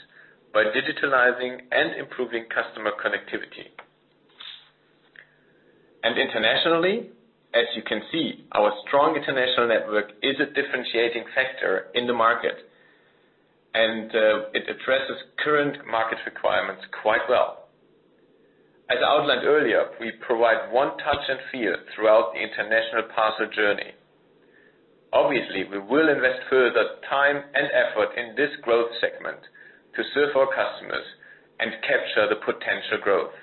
by digitalizing and improving customer connectivity. Internationally, as you can see, our strong international network is a differentiating factor in the market, and it addresses current market requirements quite well. As outlined earlier, we provide one touch and feel throughout the international parcel journey. Obviously, we will invest further time and effort in this growth segment to serve our customers and capture the potential growth.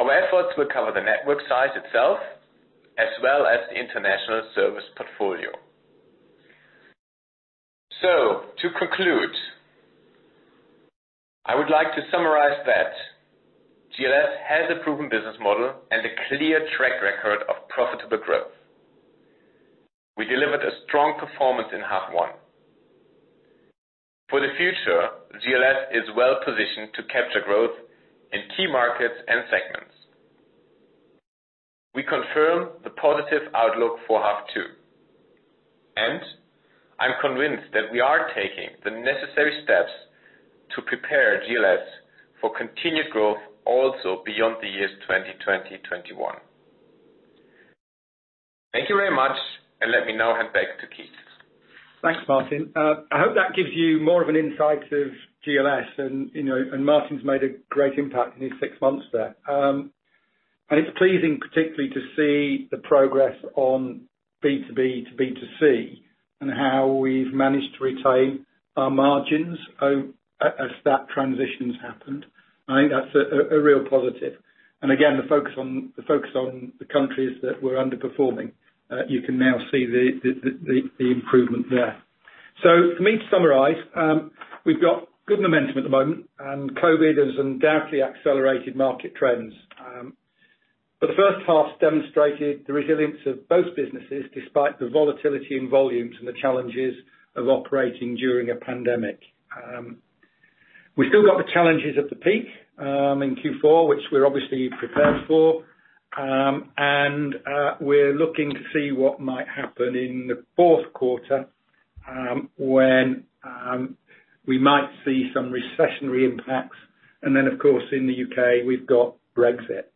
Our efforts will cover the network size itself as well as the international service portfolio. To conclude, I would like to summarize that GLS has a proven business model and a clear track record of profitable growth. We delivered a strong performance in half one. For the future, GLS is well-positioned to capture growth in key markets and segments. We confirm the positive outlook for half two, and I'm convinced that we are taking the necessary steps to prepare GLS for continued growth also beyond the years 2020, 2021. Thank you very much, and let me now hand back to Keith. Thanks, Martin. I hope that gives you more of an insight of GLS and Martin's made a great impact in his six months there. It's pleasing particularly to see the progress on B2B to B2C and how we've managed to retain our margins as that transition's happened. I think that's a real positive. Again, the focus on the countries that were underperforming. You can now see the improvement there. For me to summarize, we've got good momentum at the moment, and COVID has undoubtedly accelerated market trends. The first half demonstrated the resilience of both businesses despite the volatility in volumes and the challenges of operating during a pandemic. We still got the challenges at the peak, in Q4, which we're obviously prepared for. We're looking to see what might happen in the fourth quarter, when we might see some recessionary impacts. Of course, in the U.K., we've got Brexit.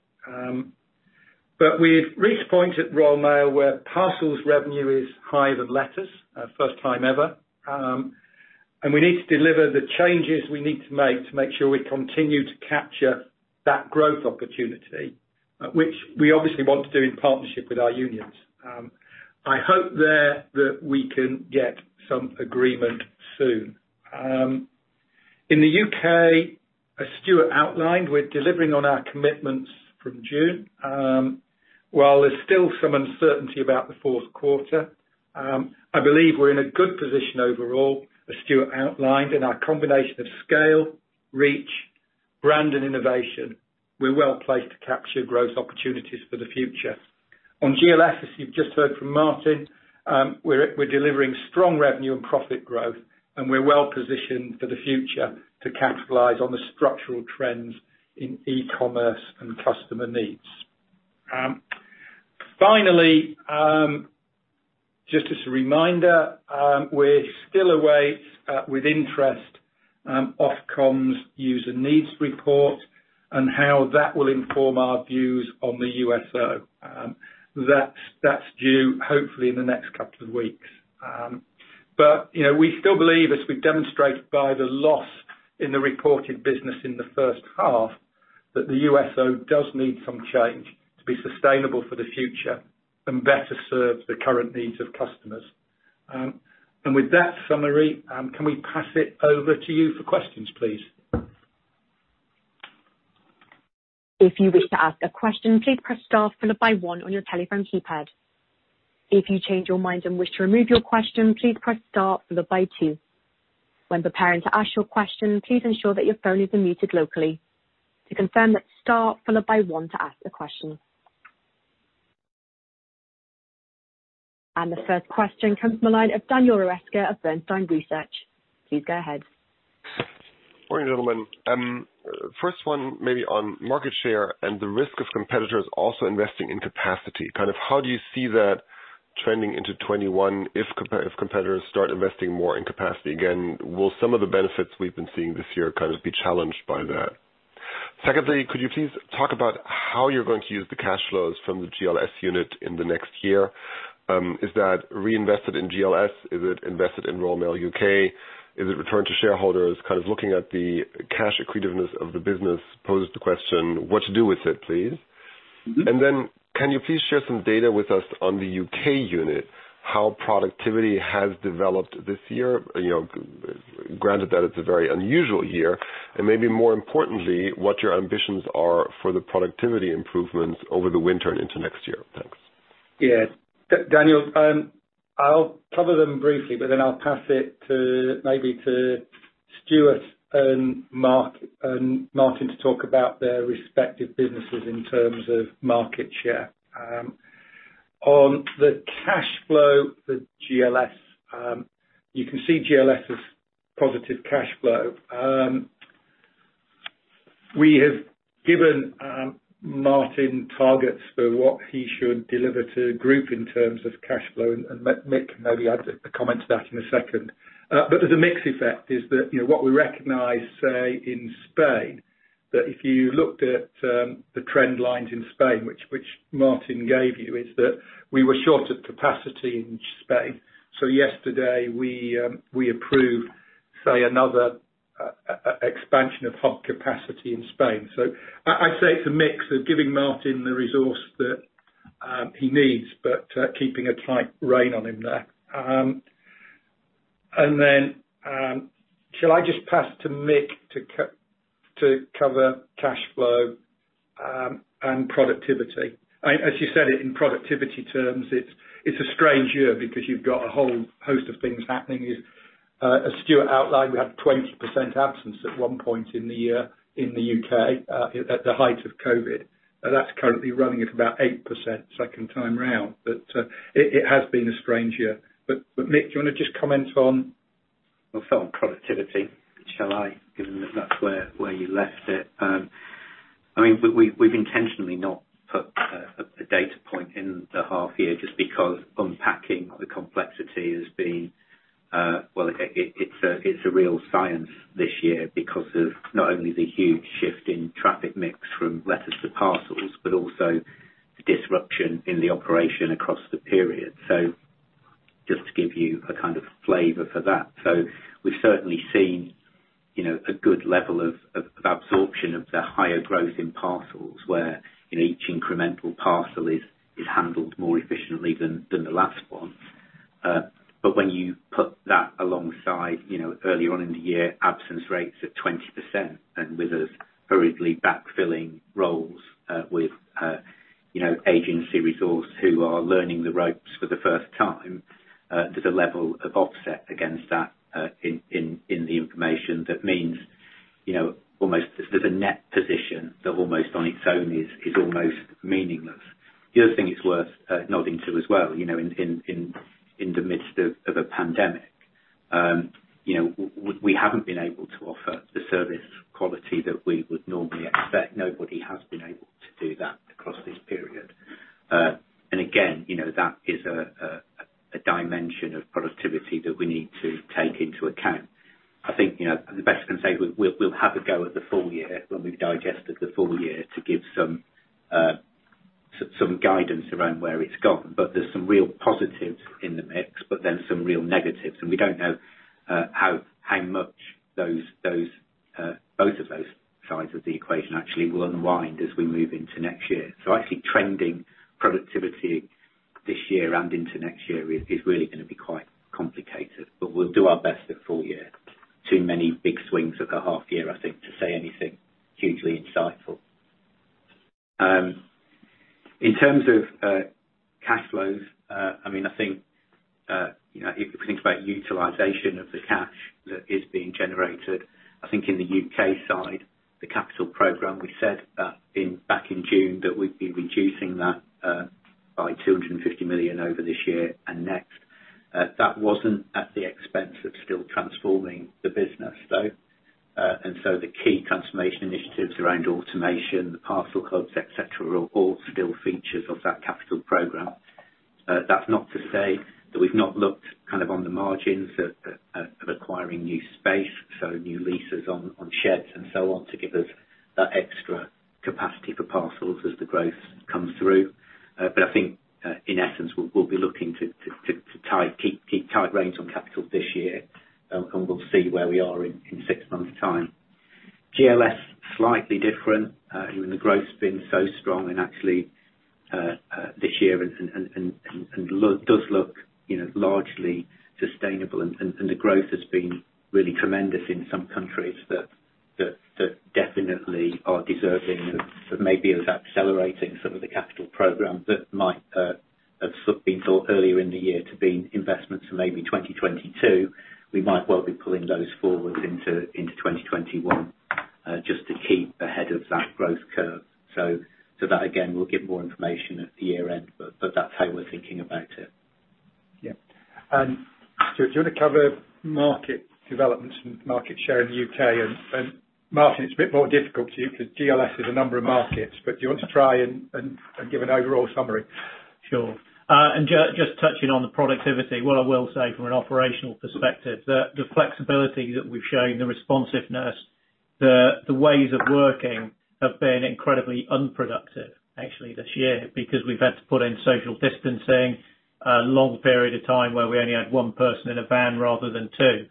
We've reached a point at Royal Mail where parcels revenue is higher than letters. First time ever. We need to deliver the changes we need to make to make sure we continue to capture that growth opportunity, which we obviously want to do in partnership with our unions. I hope there that we can get some agreement soon. In the U.K., as Stuart outlined, we're delivering on our commitments from June. While there's still some uncertainty about the fourth quarter, I believe we're in a good position overall, as Stuart outlined, in our combination of scale, reach, brand, and innovation. We're well-placed to capture growth opportunities for the future. On GLS, as you've just heard from Martin, we're delivering strong revenue and profit growth, and we're well-positioned for the future to capitalize on the structural trends in e-commerce and customer needs. Just as a reminder, we're still away with interest, Ofcom's user needs report and how that will inform our views on the USO. That's due hopefully in the next couple of weeks. We still believe, as we've demonstrated by the loss in the reported business in the first half, that the USO does need some change to be sustainable for the future and better serve the current needs of customers. With that summary, can we pass it over to you for questions, please? The first question comes from the line of Daniel Roeska of Bernstein Research. Please go ahead. Morning, gentlemen. First one maybe on market share and the risk of competitors also investing in capacity. How do you see that trending into 2021 if competitors start investing more in capacity? Again, will some of the benefits we've been seeing this year be challenged by that? Secondly, could you please talk about how you're going to use the cash flows from the GLS unit in the next year? Is that reinvested in GLS? Is it invested in Royal Mail U.K.? Is it returned to shareholders? Kind of looking at the cash accretiveness of the business poses the question, what to do with it, please. Can you please share some data with us on the U.K. unit, how productivity has developed this year? Granted that it's a very unusual year. Maybe more importantly, what your ambitions are for the productivity improvements over the winter and into next year. Thanks. Yeah. Daniel, I'll cover them briefly, but then I'll pass it maybe to Stuart and Martin to talk about their respective businesses in terms of market share. On the cash flow for GLS, you can see GLS as positive cash flow. We have given Martin targets for what he should deliver to group in terms of cash flow. Mick maybe add a comment to that in a second. There's a mix effect, is that what we recognize, say, in Spain, that if you looked at the trend lines in Spain, which Martin gave you, is that we were short of capacity in Spain. Yesterday we approved, say, another expansion of hub capacity in Spain. I'd say it's a mix of giving Martin the resource that he needs, but keeping a tight rein on him there. Then, shall I just pass to Mick to cover cash flow and productivity? As you said it in productivity terms, it's a strange year because you've got a whole host of things happening. As Stuart outlined, we had 20% absence at one point in the year in the U.K. at the height of COVID. That's currently running at about 8% second time around. It has been a strange year. Mick, do you want to just comment on. Well, on productivity, shall I? Given that that's where you left it. We've intentionally not put a data point in the half year just because unpacking the complexity has been, well, it's a real science this year because of not only the huge shift in traffic mix from letters to parcels, but also the disruption in the operation across the period. Just to give you a kind of flavor for that. We've certainly seen a good level of absorption of the higher growth in parcels where each incremental parcel is handled more efficiently than the last one. When you put that alongside, earlier on in the year, absence rates of 20% and with us hurriedly backfilling roles with agency resource who are learning the ropes for the first time, there's a level of offset against that in the information that means almost there's a net position that almost on its own is almost meaningless. The other thing it's worth nodding to as well, in the midst of a pandemic, we haven't been able to offer the service quality that we would normally expect. Nobody has been able to do that across this period. Again, that is a dimension of productivity that we need to take into account. I think, the best I can say, we'll have a go at the full year when we've digested the full year to give some guidance around where it's gone. There's some real positives in the mix, some real negatives, and we don't know how much both of those sides of the equation actually will unwind as we move into next year. I see trending productivity this year and into next year is really going to be quite complicated. We'll do our best at full year. Too many big swings of a half year, I think, to say anything hugely insightful. In terms of cash flows, if we think about utilization of the cash that is being generated, I think in the U.K. side, the capital program, we said back in June that we'd be reducing that by 250 million over this year and next. That wasn't at the expense of still transforming the business, though. The key transformation initiatives around automation, the parcel hubs, et cetera, are all still features of that capital program. That's not to say that we've not looked on the margins of acquiring new space, so new leases on sheds and so on to give us that extra capacity for parcels as the growth comes through. I think in essence, we'll be looking to keep tight reins on capital this year, and we'll see where we are in six months time. GLS, slightly different. The growth's been so strong and actually this year does look largely sustainable and the growth has been really tremendous in some countries that definitely are deserving of maybe us accelerating some of the capital programs that might have been thought earlier in the year to be investments for maybe 2022. We might well be pulling those forwards into 2021. Just to keep ahead of that growth curve. That, again, we'll give more information at the year-end, but that's how we're thinking about it. Yeah. Stuart, do you want to cover market developments and market share in the U.K.? Martin, it's a bit more difficult for you because GLS has a number of markets, but do you want to try and give an overall summary? Sure. Just touching on the productivity, what I will say from an operational perspective, the flexibility that we've shown, the responsiveness, the ways of working have been incredibly unproductive actually this year because we've had to put in social distancing, a long period of time where we only had one person in a van rather than two.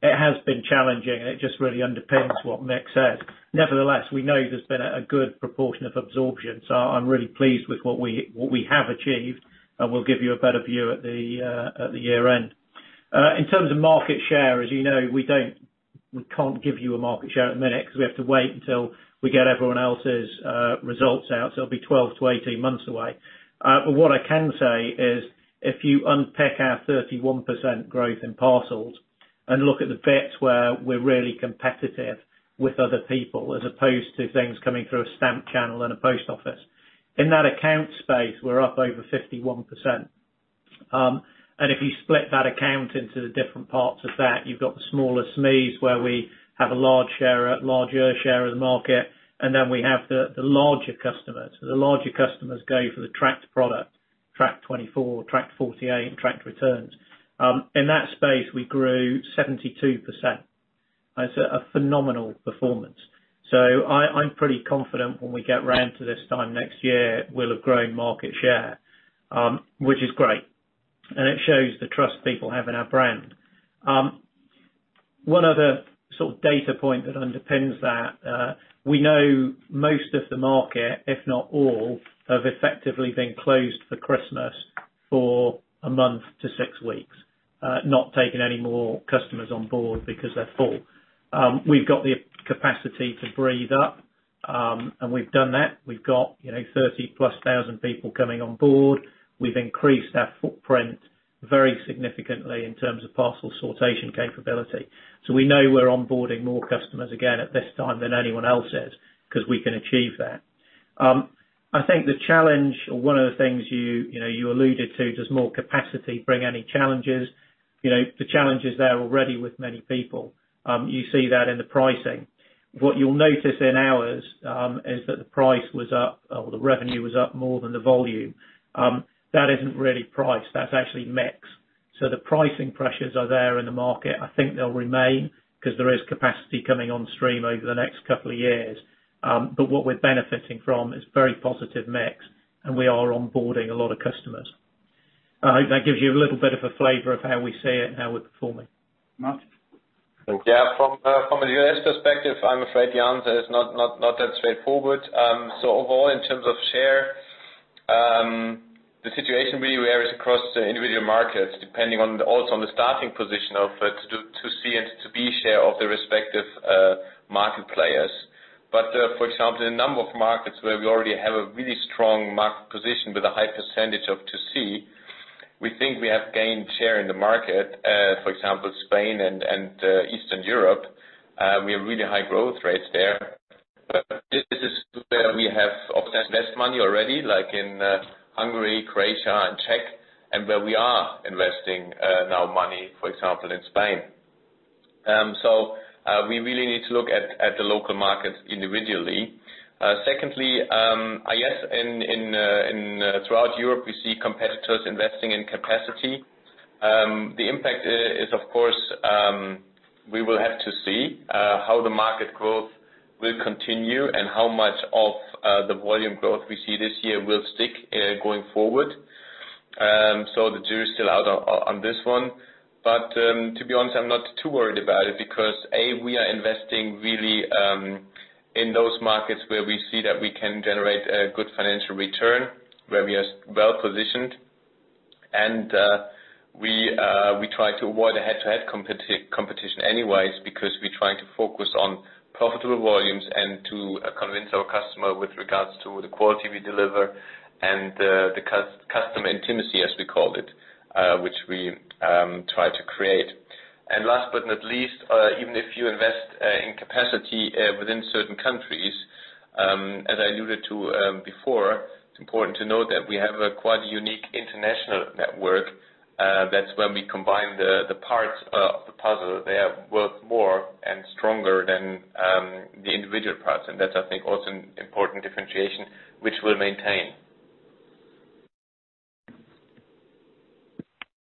It has been challenging, and it just really underpins what Mick said. Nevertheless, we know there's been a good proportion of absorption, so I'm really pleased with what we have achieved, and we'll give you a better view at the year-end. In terms of market share, as you know, we can't give you a market share at the minute because we have to wait until we get everyone else's results out, so it'll be 12-18 months away. What I can say is if you unpick our 31% growth in parcels and look at the bits where we're really competitive with other people as opposed to things coming through a stamp channel and a Post Office. In that account space, we're up over 51%. If you split that account into the different parts of that, you've got the smaller SMEs where we have a larger share of the market, and then we have the larger customers. The larger customers go for the tracked product, Tracked 24, Tracked 48, and Tracked Returns. In that space, we grew 72%. It's a phenomenal performance. I'm pretty confident when we get around to this time next year, we'll have grown market share, which is great. It shows the trust people have in our brand. One other data point that underpins that, we know most of the market, if not all, have effectively been closed for Christmas for a month to six weeks. Not taking any more customers on board because they're full. We've got the capacity to breathe up, and we've done that. We've got 30,000-plus people coming on board. We've increased our footprint very significantly in terms of parcel sortation capability. We know we're onboarding more customers again at this time than anyone else is because we can achieve that. I think the challenge or one of the things you alluded to, does more capacity bring any challenges? The challenge is there already with many people. You see that in the pricing. What you'll notice in ours is that the price was up or the revenue was up more than the volume. That isn't really price. That's actually mix. The pricing pressures are there in the market. I think they'll remain because there is capacity coming on stream over the next couple of years. What we're benefiting from is very positive mix, and we are onboarding a lot of customers. I hope that gives you a little bit of a flavor of how we see it and how we're performing. Martin. Thank you. Yeah. From a U.S. perspective, I'm afraid the answer is not that straightforward. Overall, in terms of share, the situation really varies across the individual markets, depending also on the starting position of B2C and B2B share of the respective market players. For example, in a number of markets where we already have a really strong market position with a high % of B2C, we think we have gained share in the market. For example, Spain and Eastern Europe, we have really high growth rates there. This is where we have invested money already, like in Hungary, Croatia, and Czech, and where we are investing now money, for example, in Spain. We really need to look at the local markets individually. Secondly, I guess in throughout Europe, we see competitors investing in capacity. The impact is, of course, we will have to see how the market growth will continue and how much of the volume growth we see this year will stick going forward. The jury's still out on this one. To be honest, I'm not too worried about it because, A, we are investing really in those markets where we see that we can generate a good financial return, where we are well positioned. We try to avoid a head-to-head competition anyways because we're trying to focus on profitable volumes and to convince our customer with regards to the quality we deliver and the customer intimacy, as we call it, which we try to create. Last but not least, even if you invest in capacity within certain countries, as I alluded to before, it's important to note that we have a quite unique international network. That's when we combine the parts of the puzzle, they are worth more and stronger than the individual parts. That's, I think, also an important differentiation which we'll maintain.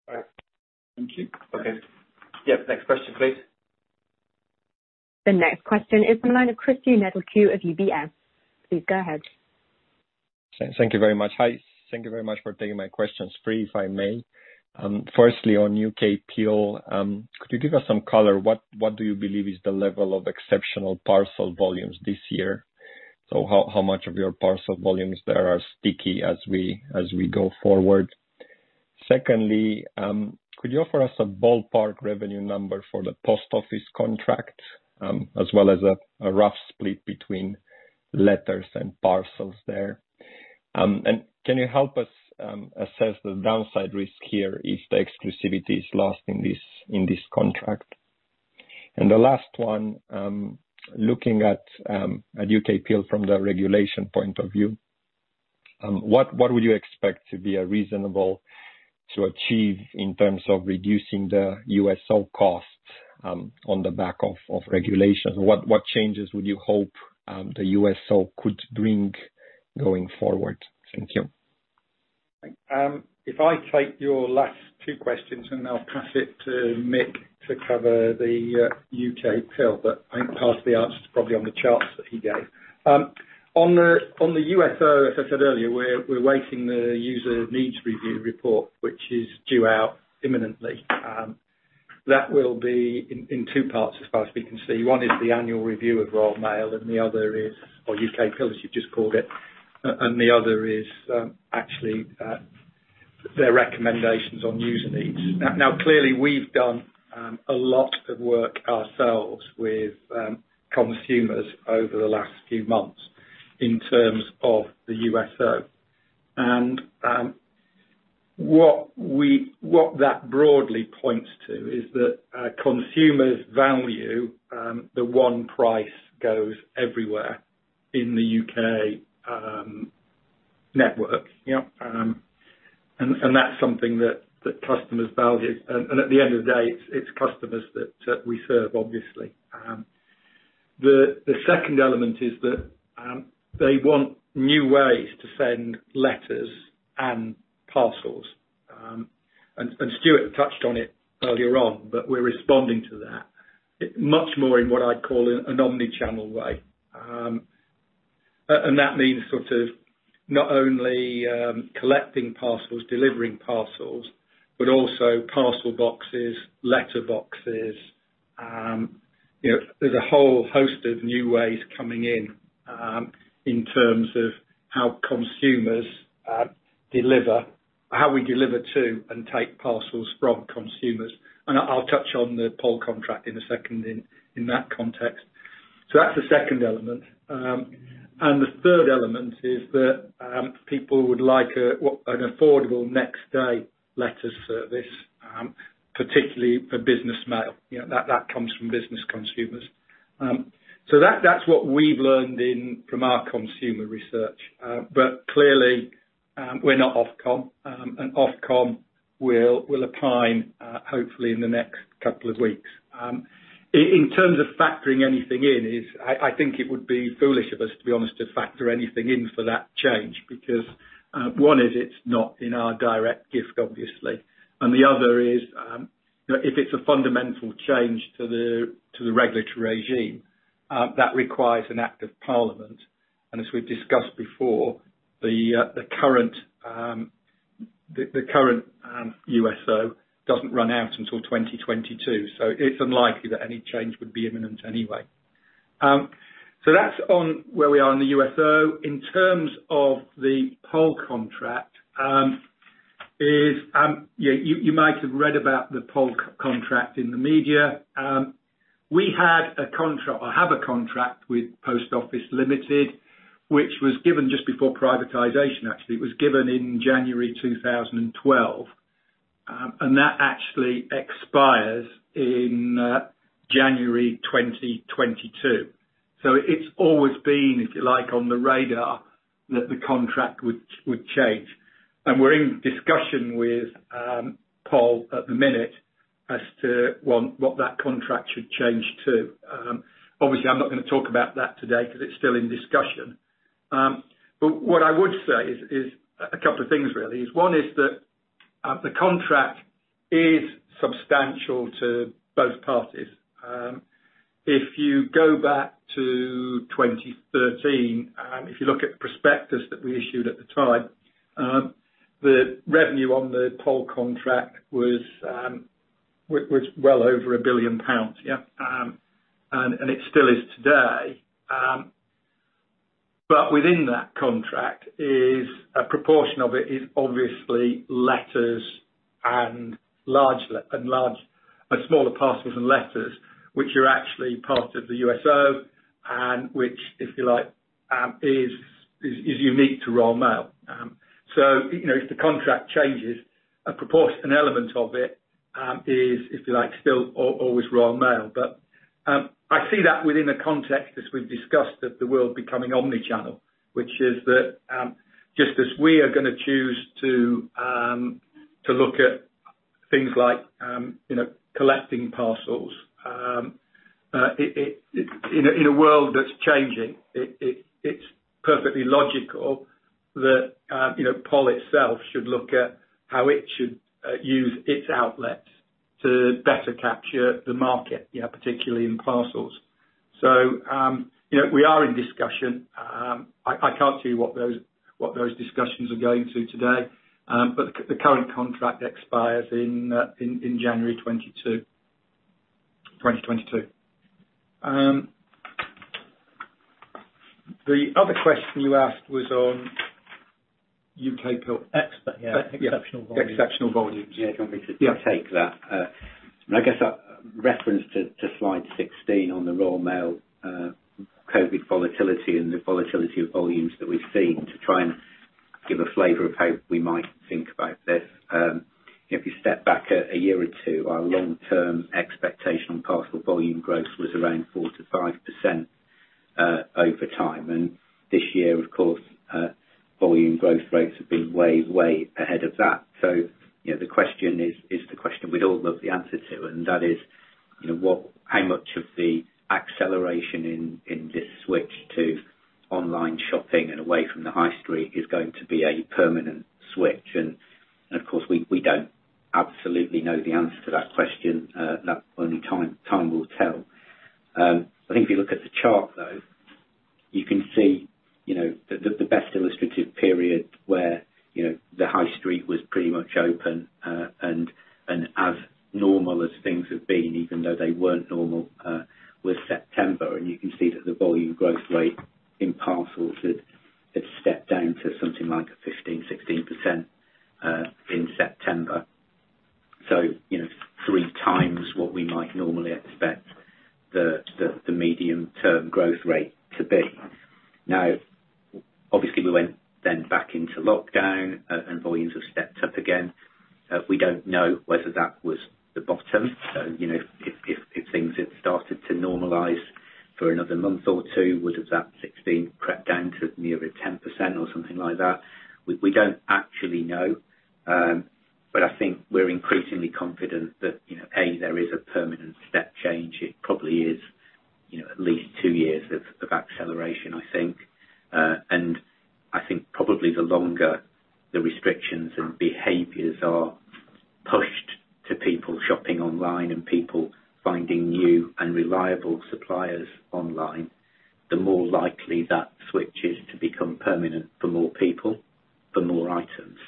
All right. Thank you. Okay. Yeah. Next question, please. The next question is from the line of Cristian Nedelcu of UBS. Please go ahead. Thank you very much. Hi. Thank you very much for taking my questions. three, if I may. Firstly, on POL, could you give us some color? What do you believe is the level of exceptional parcel volumes this year? How much of your parcel volumes there are sticky as we go forward? Secondly, could you offer us a ballpark revenue number for the POL contract, as well as a rough split between letters and parcels there? Can you help us assess the downside risk here if the exclusivity is lost in this contract? The last one, looking at UKPIL from the regulation point of view, what would you expect to be reasonable to achieve in terms of reducing the USO cost on the back of regulation? What changes would you hope the USO could bring going forward? Thank you. If I take your last two questions, I'll pass it to Mick to cover the UKPIL. I think part of the answer's probably on the charts that he gave. On the USO, as I said earlier, we're awaiting the user needs review report, which is due out imminently. That will be in two parts as far as we can see. One is the annual review of Royal Mail. The other is UKPIL, as you've just called it. The other is actually their recommendations on user needs. Clearly, we've done a lot of work ourselves with consumers over the last few months in terms of the USO. What that broadly points to is that consumers value the one price goes everywhere in the U.K. network. That's something that customers value. At the end of the day, it's customers that we serve, obviously. The second element is that they want new ways to send letters and parcels. Stuart touched on it earlier on, but we're responding to that much more in what I'd call an omnichannel way. That means sort of not only collecting parcels, delivering parcels, but also parcel boxes, letterboxes. There's a whole host of new ways coming in terms of how we deliver to and take parcels from consumers. I'll touch on the POL contract in a second in that context. That's the second element. The third element is that people would like an affordable next day letter service, particularly for business mail. That comes from business consumers. That's what we've learned from our consumer research. Clearly, we're not Ofcom, and Ofcom will opine hopefully in the next couple of weeks. In terms of factoring anything in, I think it would be foolish of us, to be honest, to factor anything in for that change, because one is it's not in our direct gift, obviously. The other is, if it's a fundamental change to the regulatory regime, that requires an act of Parliament. As we've discussed before, the current USO doesn't run out until 2022. It's unlikely that any change would be imminent anyway. That's on where we are in the USO. In terms of the POL contract is, you might have read about the POL contract in the media. We have a contract with Post Office Limited, which was given just before privatization, actually. It was given in January 2012. That actually expires in January 2022. It's always been, if you like, on the radar that the contract would change. We're in discussion with POL at the minute as to what that contract should change to. Obviously, I'm not going to talk about that today because it's still in discussion. What I would say is a couple of things, really. One is that the contract is substantial to both parties. If you go back to 2013, if you look at the prospectus that we issued at the time, the revenue on the POL contract was well over 1 billion pounds. It still is today. Within that contract is a proportion of it is obviously letters and smaller parcels and letters, which are actually part of the USO and which, if you like, is unique to Royal Mail. If the contract changes, an element of it is, if you like, still always Royal Mail. I see that within a context, as we've discussed, of the world becoming omnichannel, which is that just as we are going to choose to look at things like collecting parcels, in a world that's changing, it's perfectly logical that POL itself should look at how it should use its outlets to better capture the market, particularly in parcels. We are in discussion. I can't tell you what those discussions are going to today. The current contract expires in January 2022. The other question you asked was on. U.K. post. Exceptional volumes. Exceptional volumes. Yeah. Do you want me to take that? Yeah. I guess a reference to slide 16 on the Royal Mail COVID volatility and the volatility of volumes that we've seen to try and give a flavor of how we might think about this. If you step back a year or two, our long-term expectation on parcel volume growth was around 4%-5% over time. This year, of course, volume growth rates have been way ahead of that. The question is the question we'd all love the answer to, and that is, how much of the acceleration in this switch to online shopping and away from the high street is going to be a permanent switch? Of course, we don't absolutely know the answer to that question. That only time will tell. I think if you look at the chart, though, you can see the best illustrative period where the high street was pretty much open, and as normal as things have been, even though they weren't normal, was September. You can see that the volume growth rate in parcels had stepped down to something like 15%, 16% in September. Three times what we might normally expect the medium-term growth rate to be. Obviously, we went then back into lockdown, and volumes have stepped up again. We don't know whether that was the bottom. If things had started to normalize for another month or two, would have that 16% crept down to nearer 10% or something like that? We don't actually know. I think we're increasingly confident that, A, there is a permanent step change. It probably is at least two years of acceleration, I think. I think probably the longer the restrictions and behaviors are pushed to people shopping online and people finding new and reliable suppliers online, the more likely that switch is to become permanent for more people, for more items.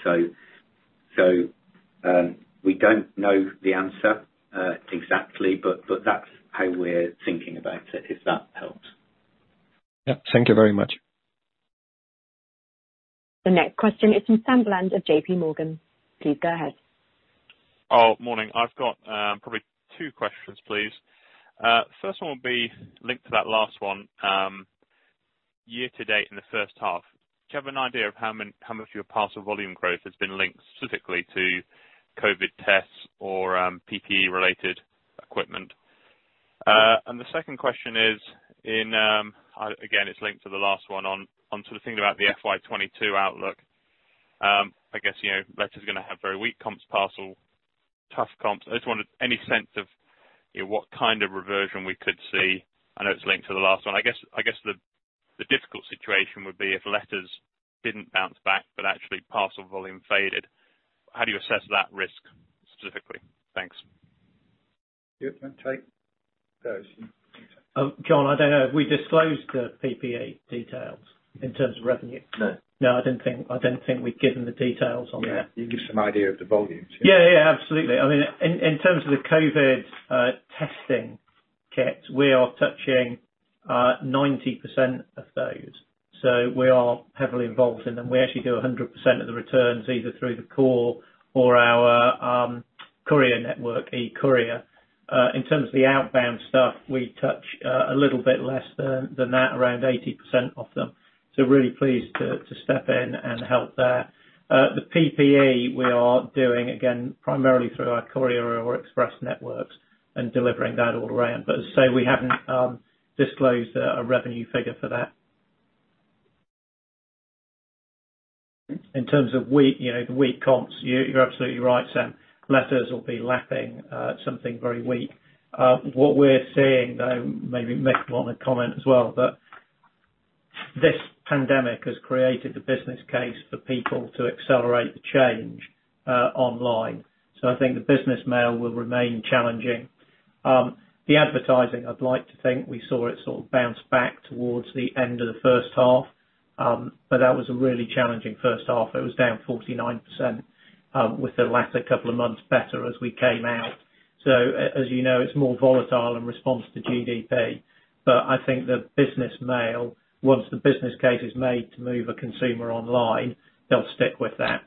We don't know the answer exactly, but that's how we're thinking about it, if that helps. Yeah. Thank you very much. The next question is from Sam Bland of J.P. Morgan. Please go ahead. Morning. I've got probably two questions, please. First one will be linked to that last one. Year to date in the first half, do you have an idea of how much of your parcel volume growth has been linked specifically to COVID tests or PPE related equipment? The second question is in, again, it's linked to the last one on sort of thinking about the FY 2022 outlook. I guess letters are going to have very weak comps parcel, tough comps. I just wondered, any sense of what kind of reversion we could see? I know it's linked to the last one. I guess the difficult situation would be if letters didn't bounce back, but actually parcel volume faded. How do you assess that risk specifically? Thanks. Do you want to take those? John, I don't know. Have we disclosed the PPE details in terms of revenue? No. No, I don't think we've given the details on that. Yeah. You can give some idea of the volumes. Absolutely. In terms of the COVID testing kit, we are touching 90% of those. We are heavily involved in them. We actually do 100% of the returns, either through the core or our courier network, eCourier. In terms of the outbound stuff, we touch a little bit less than that, around 80% of them. Really pleased to step in and help there. The PPE we are doing, again, primarily through our courier or express networks and delivering that all around. As I say, we haven't disclosed a revenue figure for that. In terms of the weak comps, you're absolutely right, Sam. Letters will be lapping something very weak. What we're seeing, though, maybe Mick will want to comment as well, this pandemic has created the business case for people to accelerate the change online. I think the business mail will remain challenging. The advertising, I'd like to think we saw it sort of bounce back towards the end of the first half. That was a really challenging first half. It was down 49%, with the latter couple of months better as we came out. As you know, it's more volatile in response to GDP. I think the business mail, once the business case is made to move a consumer online, they'll stick with that.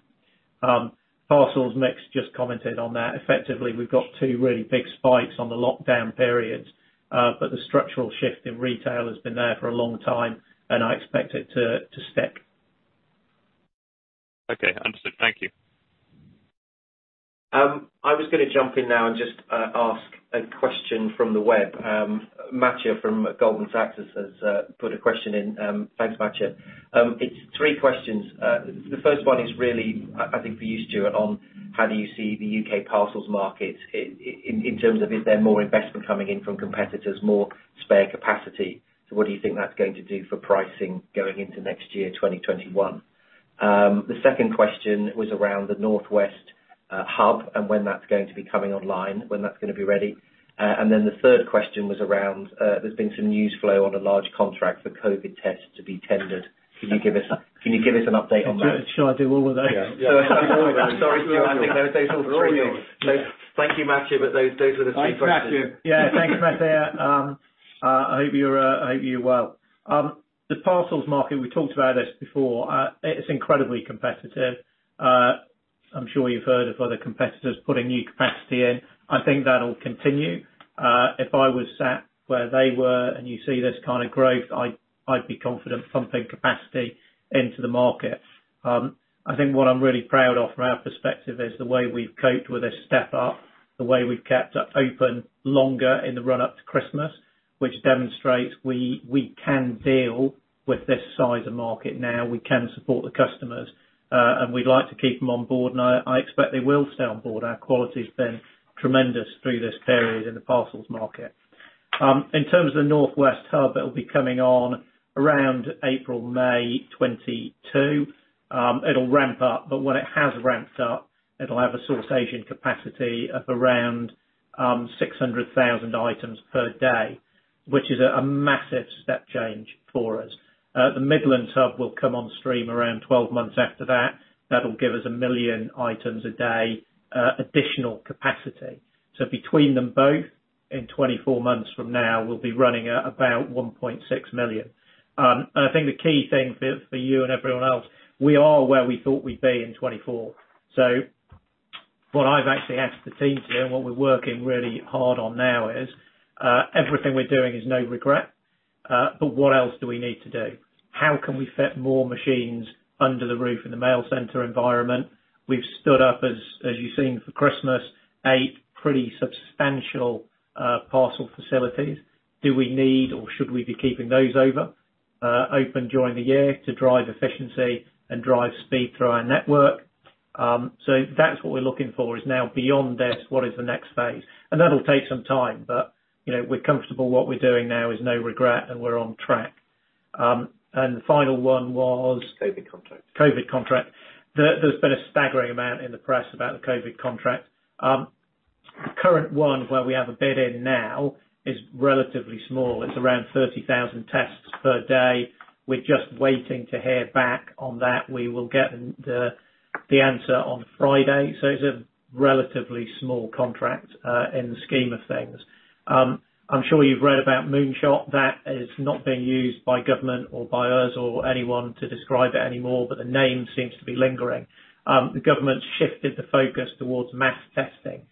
Parcels, Mick's just commented on that. Effectively, we've got two really big spikes on the lockdown periods. The structural shift in retail has been there for a long time, and I expect it to stick. Okay, understood. Thank you. I was going to jump in now and just ask a question from the web. Matija from Goldman Sachs has put a question in. Thanks, Matija. It's three questions. The first one is really, I think for you, Stuart, on how do you see the U.K. parcels market in terms of is there more investment coming in from competitors, more spare capacity? What do you think that's going to do for pricing going into next year, 2021? The second question was around the Northwest hub and when that's going to be coming online, when that's going to be ready. The third question was around there's been some news flow on a large contract for COVID tests to be tendered. Can you give us an update on that? Should I do all of those? Sorry, Stuart. I think those are all for you. Thank you, Matija. Those were the two questions. Thanks, Matija. Yeah, thanks, Matija. I hope you're well. The parcels market, we talked about this before. It's incredibly competitive. I'm sure you've heard of other competitors putting new capacity in. I think that'll continue. If I was sat where they were and you see this kind of growth, I'd be confident pumping capacity into the market. I think what I'm really proud of, from our perspective, is the way we've coped with this step up, the way we've kept open longer in the run-up to Christmas, which demonstrates we can deal with this size of market now. We can support the customers, and we'd like to keep them on board, and I expect they will stay on board. Our quality's been tremendous through this period in the parcels market. In terms of the North West Hub, it'll be coming on around April, May 2022. It'll ramp up, when it has ramped up, it'll have a sortation capacity of around 600,000 items per day, which is a massive step change for us. The Midland Hub will come on stream around 12 months after that. That'll give us 1 million items a day, additional capacity. Between them both, in 24 months from now, we'll be running at about 1.6 million. I think the key thing for you and everyone else, we are where we thought we'd be in 2024. What I've actually asked the teams here, what we're working really hard on now is, everything we're doing is no regret, what else do we need to do? How can we fit more machines under the roof in the mail center environment? We've stood up, as you've seen for Christmas, eight pretty substantial parcel facilities. Do we need, or should we be keeping those open during the year to drive efficiency and drive speed through our network? That's what we're looking for, is now beyond this, what is the next phase? That'll take some time, but we're comfortable what we're doing now is no regret, and we're on track. The final one was. COVID contract. COVID contract. There's been a staggering amount in the press about the COVID contract. Current one, where we have a bid in now, is relatively small. It's around 30,000 tests per day. We're just waiting to hear back on that. We will get the answer on Friday. It's a relatively small contract, in the scheme of things. I'm sure you've read about Moonshot. That is not being used by government or by us or anyone to describe it anymore, but the name seems to be lingering. The government's shifted the focus towards mass testing,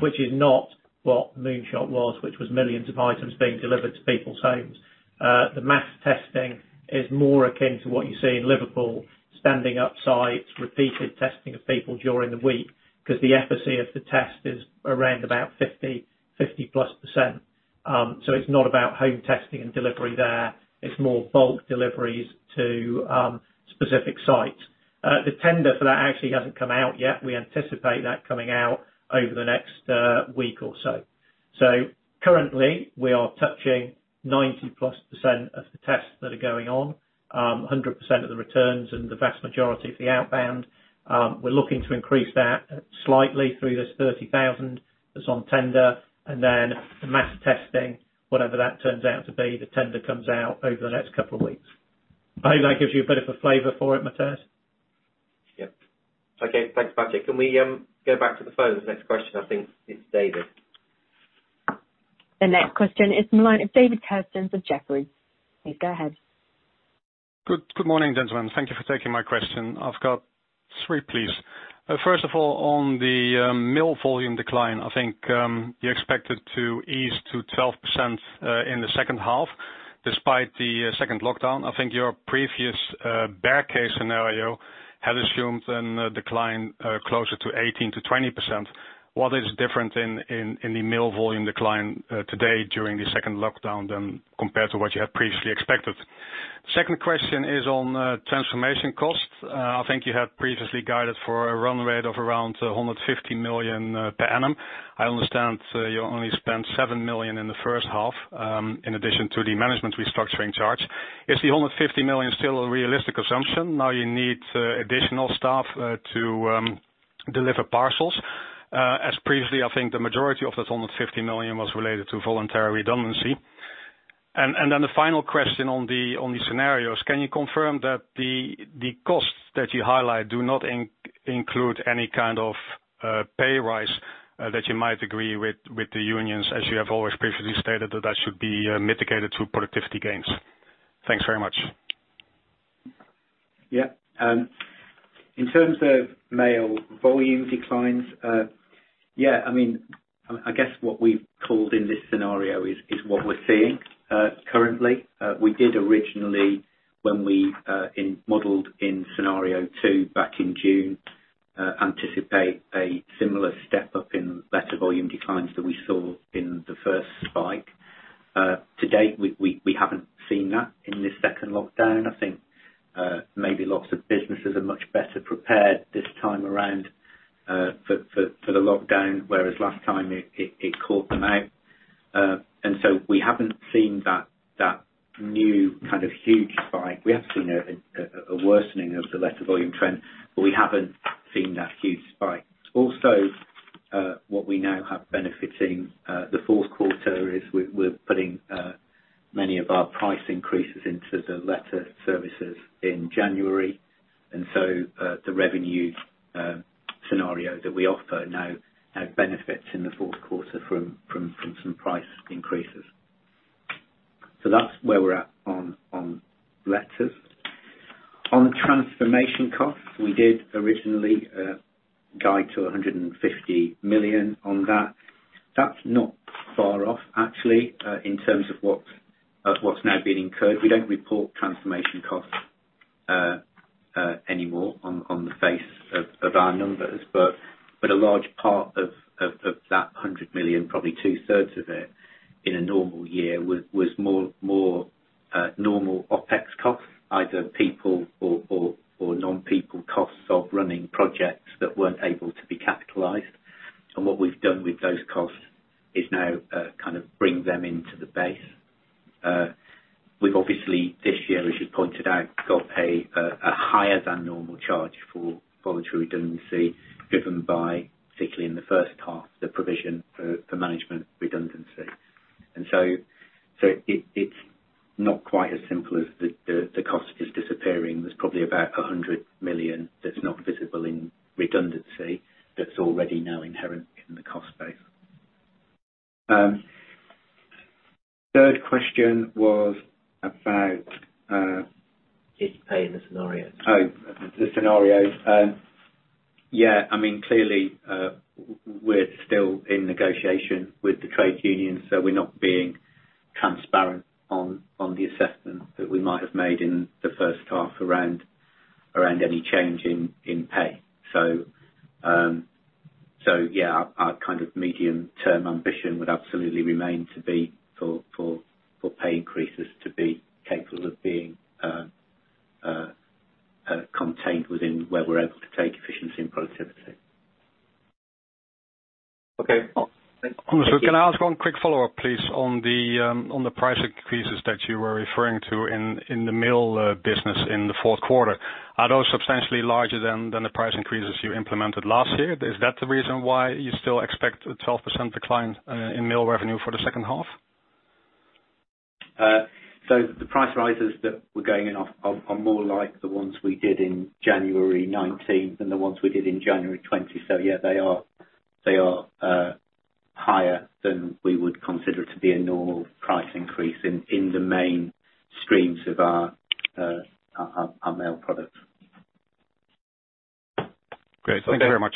which is not what Moonshot was, which was millions of items being delivered to people's homes. The mass testing is more akin to what you see in Liverpool, standing up sites, repeated testing of people during the week, because the efficacy of the test is around about 50+%. It's not about home testing and delivery there. It's more bulk deliveries to specific sites. The tender for that actually hasn't come out yet. We anticipate that coming out over the next week or so. Currently, we are touching 90 plus % of the tests that are going on, 100% of the returns, and the vast majority of the outbound. We're looking to increase that slightly through this 30,000 that's on tender, and then the mass testing, whatever that turns out to be, the tender comes out over the next couple of weeks. I hope that gives you a bit of a flavor for it, Matija. Yep. Okay, thanks, Patrick. Can we go back to the phone for the next question? I think it's David. The next question is the line of David Kerstens with Jefferies. Please go ahead. Good morning, gentlemen. Thank you for taking my question. I've got three, please. First of all, on the mail volume decline, I think you expect it to ease to 12% in the second half despite the second lockdown. I think your previous bear case scenario had assumed a decline closer to 18%-20%. What is different in the mail volume decline today during the second lockdown then, compared to what you had previously expected? Second question is on transformation costs. I think you had previously guided for a run rate of around 150 million per annum. I understand you only spent 7 million in the first half, in addition to the management restructuring charge. Is the 150 million still a realistic assumption? Now you need additional staff to deliver parcels. As previously, I think the majority of that 150 million was related to voluntary redundancy. The final question on the scenarios. Can you confirm that the costs that you highlight do not include any kind of pay raise that you might agree with the unions, as you have always previously stated that that should be mitigated through productivity gains? Thanks very much. Yeah. In terms of mail volume declines. I guess what we've called in this scenario is what we're seeing currently. We did originally, when we modeled in scenario two back in June, anticipate a similar step-up in letter volume declines that we saw in the first spike. To date, we haven't seen that in this second lockdown. I think maybe lots of businesses are much better prepared this time around for the lockdown, whereas last time it caught them out. We haven't seen that new kind of huge spike. We have seen a worsening of the letter volume trend, but we haven't seen that huge spike. Also, what we now have benefiting the fourth quarter is we're putting many of our price increases into the Letter services in January. The revenue scenario that we offer now benefits in the fourth quarter from some price increases. That's where we're at on Letters. On transformation costs, we did originally guide to 150 million on that. That's not far off, actually, in terms of what's now been incurred. We don't report transformation costs anymore on the face of our numbers. A large part of that 100 million, probably two-thirds of it, in a normal year, was more normal OpEx costs, either people or non-people costs of running projects that weren't able to be capitalized. What we've done with those costs is now kind of bring them into the base. We've obviously, this year, as you pointed out, got paid a higher than normal charge for voluntary redundancy, driven by, particularly in the first half, the provision for management redundancy. It's not quite as simple as the cost is disappearing. There's probably about 100 million that's not visible in redundancy that's already now inherent in the cost base. Third question was about. Is pay in the scenario? Oh, the scenario. Yeah. Clearly, we're still in negotiation with the trade union, so we're not being transparent on the assessment that we might have made in the first half around any change in pay. Yeah, our kind of medium-term ambition would absolutely remain to be for pay increases to be capable of being contained within where we're able to take efficiency and productivity. Okay. Can I ask one quick follow-up, please, on the price increases that you were referring to in the Mail business in the fourth quarter? Are those substantially larger than the price increases you implemented last year? Is that the reason why you still expect a 12% decline in Mail revenue for the second half? The price rises that we're going in off are more like the ones we did in January 2019 than the ones we did in January 2020. Yeah, they are higher than we would consider to be a normal price increase in the main streams of our Mail products. Great. Thank you very much.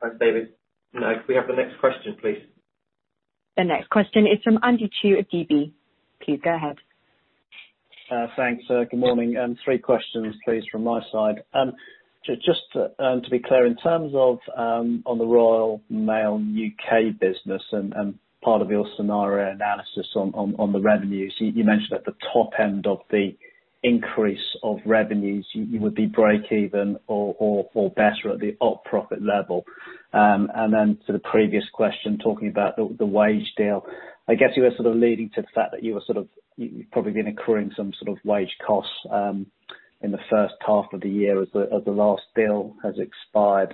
Thanks, David. Can we have the next question, please? The next question is from Andy Chu of Deutsche Bank. Please go ahead. Thanks. Good morning. Three questions, please, from my side. Just to be clear, in terms of on the Royal Mail U.K. business and part of your scenario analysis on the revenues, you mentioned at the top end of the increase of revenues, you would be break even or better at the op profit level. Then to the previous question, talking about the wage deal, I guess you were sort of leading to the fact that you were sort of probably been incurring some sort of wage costs in the first half of the year as the last deal has expired.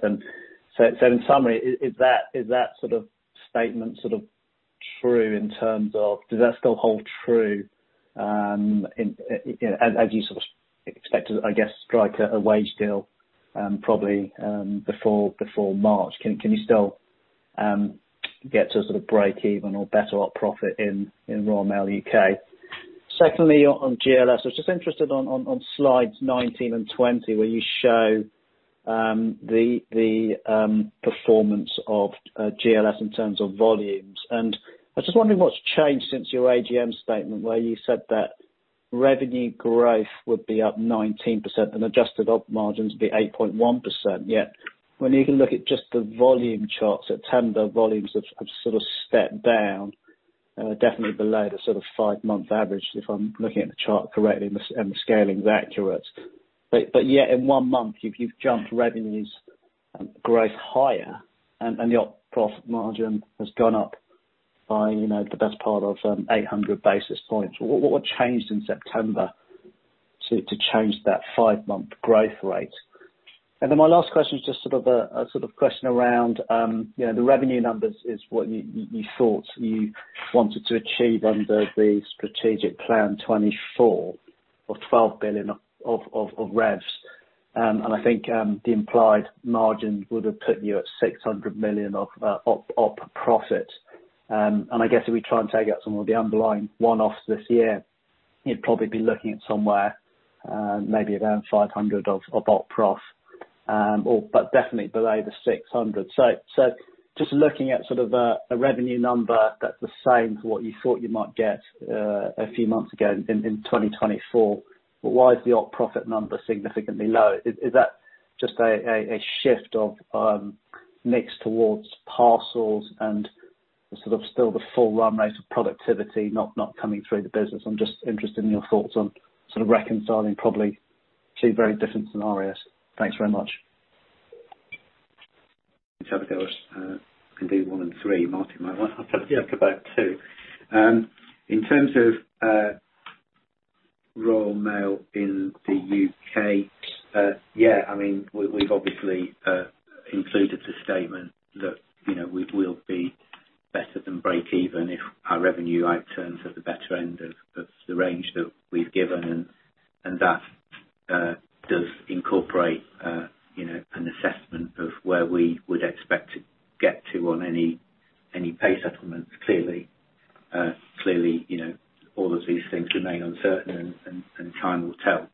So in summary, is that sort of statement sort of true in terms of, does that still hold true as you sort of expect to, I guess, strike a wage deal probably before March? Can you still get to sort of break even or better op profit in Royal Mail U.K.? Secondly, on GLS, I was just interested on slides 19 and 20, where you show the performance of GLS in terms of volumes. I was just wondering what's changed since your AGM statement, where you said that revenue growth would be up 19% and adjusted op margins be 8.1%. Yet when you can look at just the volume charts at September, volumes have sort of stepped down, definitely below the sort of five-month average, if I'm looking at the chart correctly and the scaling is accurate. Yet in one month, you've jumped revenues growth higher, and the op profit margin has gone up by the best part of 800 basis points. What changed in September to change that five-month growth rate? My last question is just sort of a question around the revenue numbers is what you thought you wanted to achieve under the strategic plan 2024 of 12 billion of revs. I think the implied margin would have put you at 600 million of op profit. I guess if we try and take out some of the underlying one-offs this year, you'd probably be looking at somewhere maybe around 500 million of op profit, but definitely below the 600 million. Just looking at sort of a revenue number that's the same to what you thought you might get a few months ago in 2024, but why is the op profit number significantly low? Is that just a shift of mix towards parcels and sort of still the full run rate of productivity not coming through the business? I'm just interested in your thoughts on sort of reconciling probably two very different scenarios. Thanks very much. Each other goes. Can do one and three. Martin might want to take about two. In terms of Royal Mail in the U.K. Yeah. We've obviously included the statement that we will be better than break-even if our revenue outturns at the better end of the range that we've given, and that does incorporate an assessment of where we would expect to get to on any pay settlements. Clearly, all of these things remain uncertain and time will tell.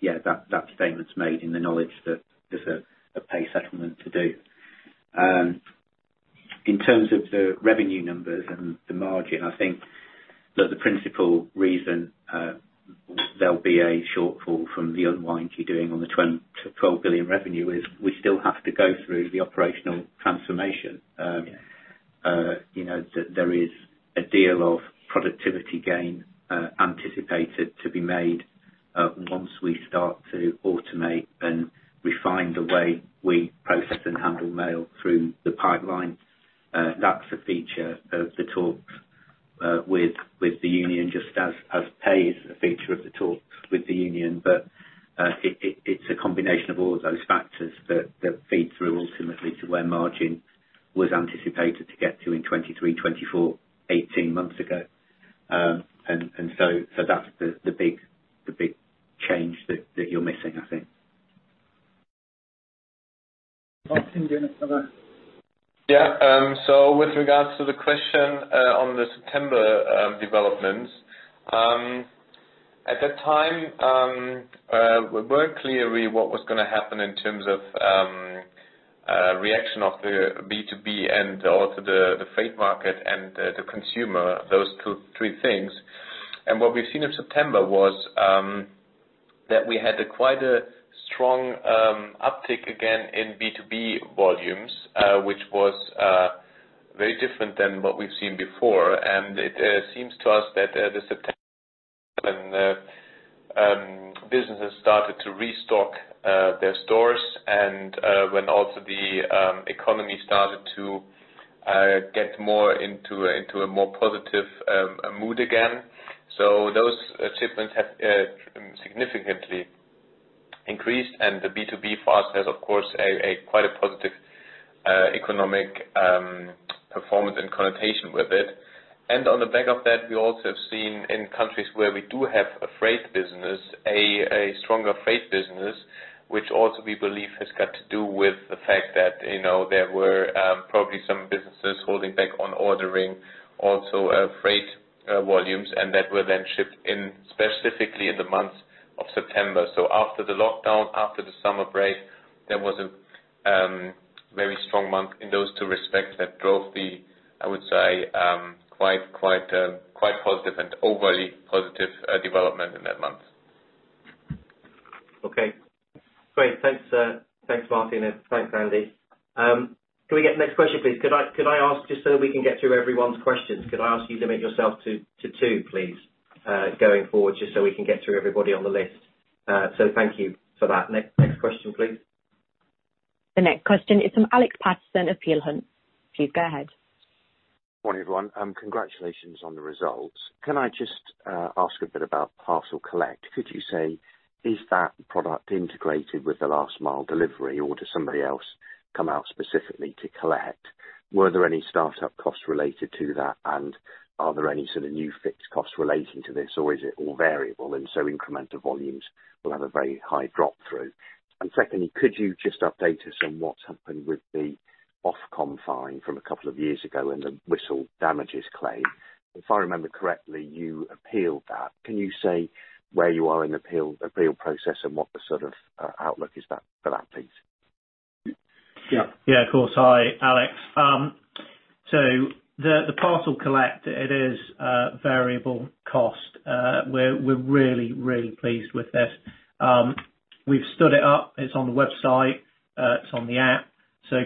Yeah, that statement's made in the knowledge that there's a pay settlement to do. In terms of the revenue numbers and the margin, I think that the principal reason there'll be a shortfall from the unwind you're doing on the 12 billion revenue is we still have to go through the operational transformation. Yeah. There is a deal of productivity gain anticipated to be made once we start to automate and refine the way we process and handle mail through the pipeline. That's a feature of the talks with the union, just as pay is a feature of the talks with the union. It's a combination of all of those factors that feed through ultimately to where margin was anticipated to get to in 2023, 2024, 18 months ago. That's the big change that you're missing, I think. Martin, do you want to cover? Yeah. With regards to the question on the September developments. At that time, we weren't clear what was going to happen in terms of reaction of the B2B and also the freight market and the consumer, those three things. What we've seen in September was that we had quite a strong uptick again in B2B volumes, which was very different than what we've seen before. It seems to us that the September businesses started to restock their stores and when also the economy started to get more into a more positive mood again. Those shipments have significantly increased and the B2B for us has, of course, quite a positive economic performance and connotation with it. On the back of that, we also have seen in countries where we do have a freight business, a stronger freight business, which also we believe has got to do with the fact that there were probably some businesses holding back on ordering also freight volumes, and that were then shipped in specifically in the month of September. After the lockdown, after the summer break, there was a very strong month in those two respects that drove the, I would say, quite positive and overly positive development in that month. Okay, great. Thanks, Martin. Thanks, Andy. Can we get the next question, please? Could I ask, just so we can get through everyone's questions, could I ask you to limit yourself to two, please, going forward, just so we can get through everybody on the list? Thank you for that. Next question, please. The next question is from Alex Paterson of Peel Hunt. Please go ahead. Morning, everyone. Congratulations on the results. Can I just ask a bit about Parcel Collect? Could you say, is that product integrated with the last mile delivery or does somebody else come out specifically to collect? Were there any startup costs related to that, and are there any sort of new fixed costs relating to this or is it all variable and so incremental volumes will have a very high drop through? Secondly, could you just update us on what's happened with the Ofcom fine from a couple of years ago and the Whistl damages claim? If I remember correctly, you appealed that. Can you say where you are in the appeal process and what the sort of outlook is for that, please? Yeah. Yeah, of course. Hi, Alex. The Parcel Collect, it is variable cost. We're really pleased with this. We've stood it up. It's on the website, it's on the app.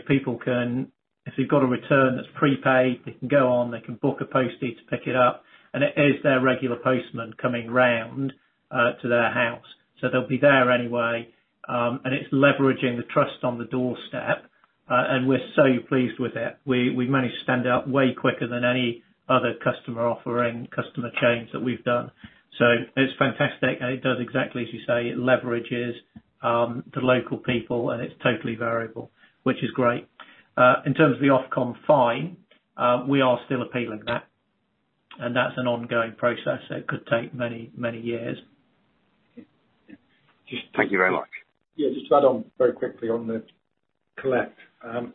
People can, if they've got a return that's prepaid, they can go on, they can book a postie to pick it up, and it is their regular postman coming round to their house. They'll be there anyway, and it's leveraging the trust on the doorstep. We're so pleased with it. We managed to stand it up way quicker than any other customer offering, customer change that we've done. It's fantastic and it does exactly as you say. It leverages the local people and it's totally variable, which is great. In terms of the Ofcom fine, we are still appealing that, and that's an ongoing process, so it could take many years. Thank you very much. Yeah. Just to add on very quickly on the Collect. I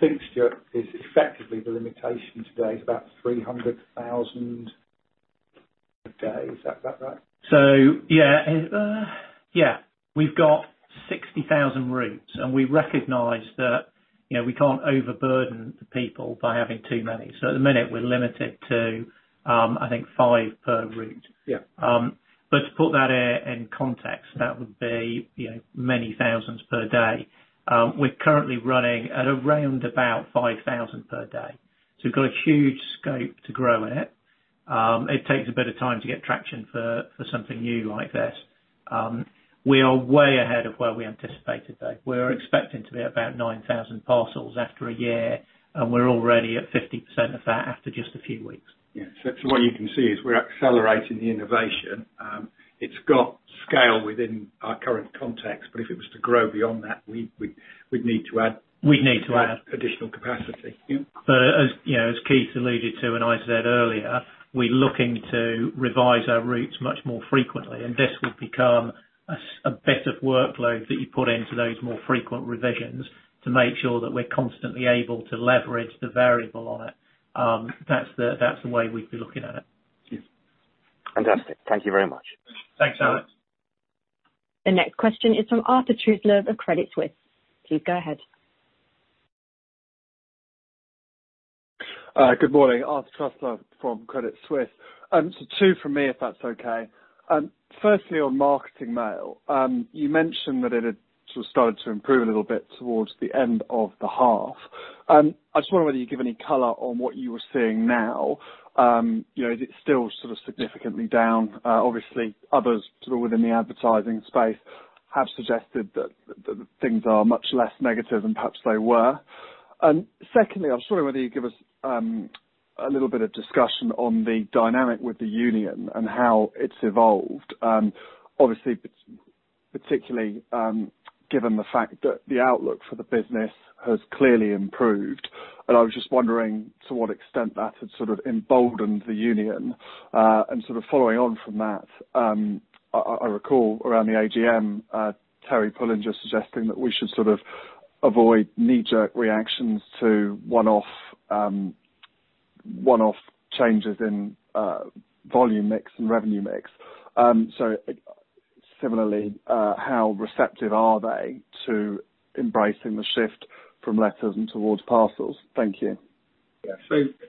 think, Stuart, effectively the limitation today is about 300,000 a day. Is that right? Yeah. We've got 60,000 routes, and we recognize that we can't overburden the people by having too many. At the minute, we're limited to, I think five per route. Yeah. To put that in context, that would be many thousands per day. We're currently running at around about 5,000 per day. We've got a huge scope to grow it. It takes a bit of time to get traction for something new like this. We are way ahead of where we anticipated, though. We were expecting to be about 9,000 parcels after a year, and we're already at 50% of that after just a few weeks. Yes. That's what you can see, is we're accelerating the innovation. It's got scale within our current context, but if it was to grow beyond that, we'd need to add. We'd need to add. additional capacity. Yeah. As Keith alluded to, and I said earlier, we're looking to revise our routes much more frequently, and this will become a bit of workload that you put into those more frequent revisions to make sure that we're constantly able to leverage the variable on it. That's the way we'd be looking at it. Yes. Fantastic. Thank you very much. Thanks, Alex. The next question is from Arthur Truslove of Credit Suisse. Please go ahead. Good morning. Arthur Truslove from Credit Suisse. Two from me, if that's okay. Firstly, on marketing mail, you mentioned that it had sort of started to improve a little bit towards the end of the half. I just wonder whether you'd give any color on what you are seeing now. Is it still sort of significantly down? Obviously, others sort of within the advertising space have suggested that things are much less negative than perhaps they were. Secondly, I was wondering whether you'd give us a little bit of discussion on the dynamic with the union and how it's evolved. Obviously, particularly given the fact that the outlook for the business has clearly improved, and I was just wondering to what extent that had sort of emboldened the union. Sort of following on from that, I recall around the AGM, Terry Pullinger just suggesting that we should sort of avoid knee-jerk reactions to one-off changes in volume mix and revenue mix. Similarly, how receptive are they to embracing the shift from letters and towards parcels? Thank you. Yeah.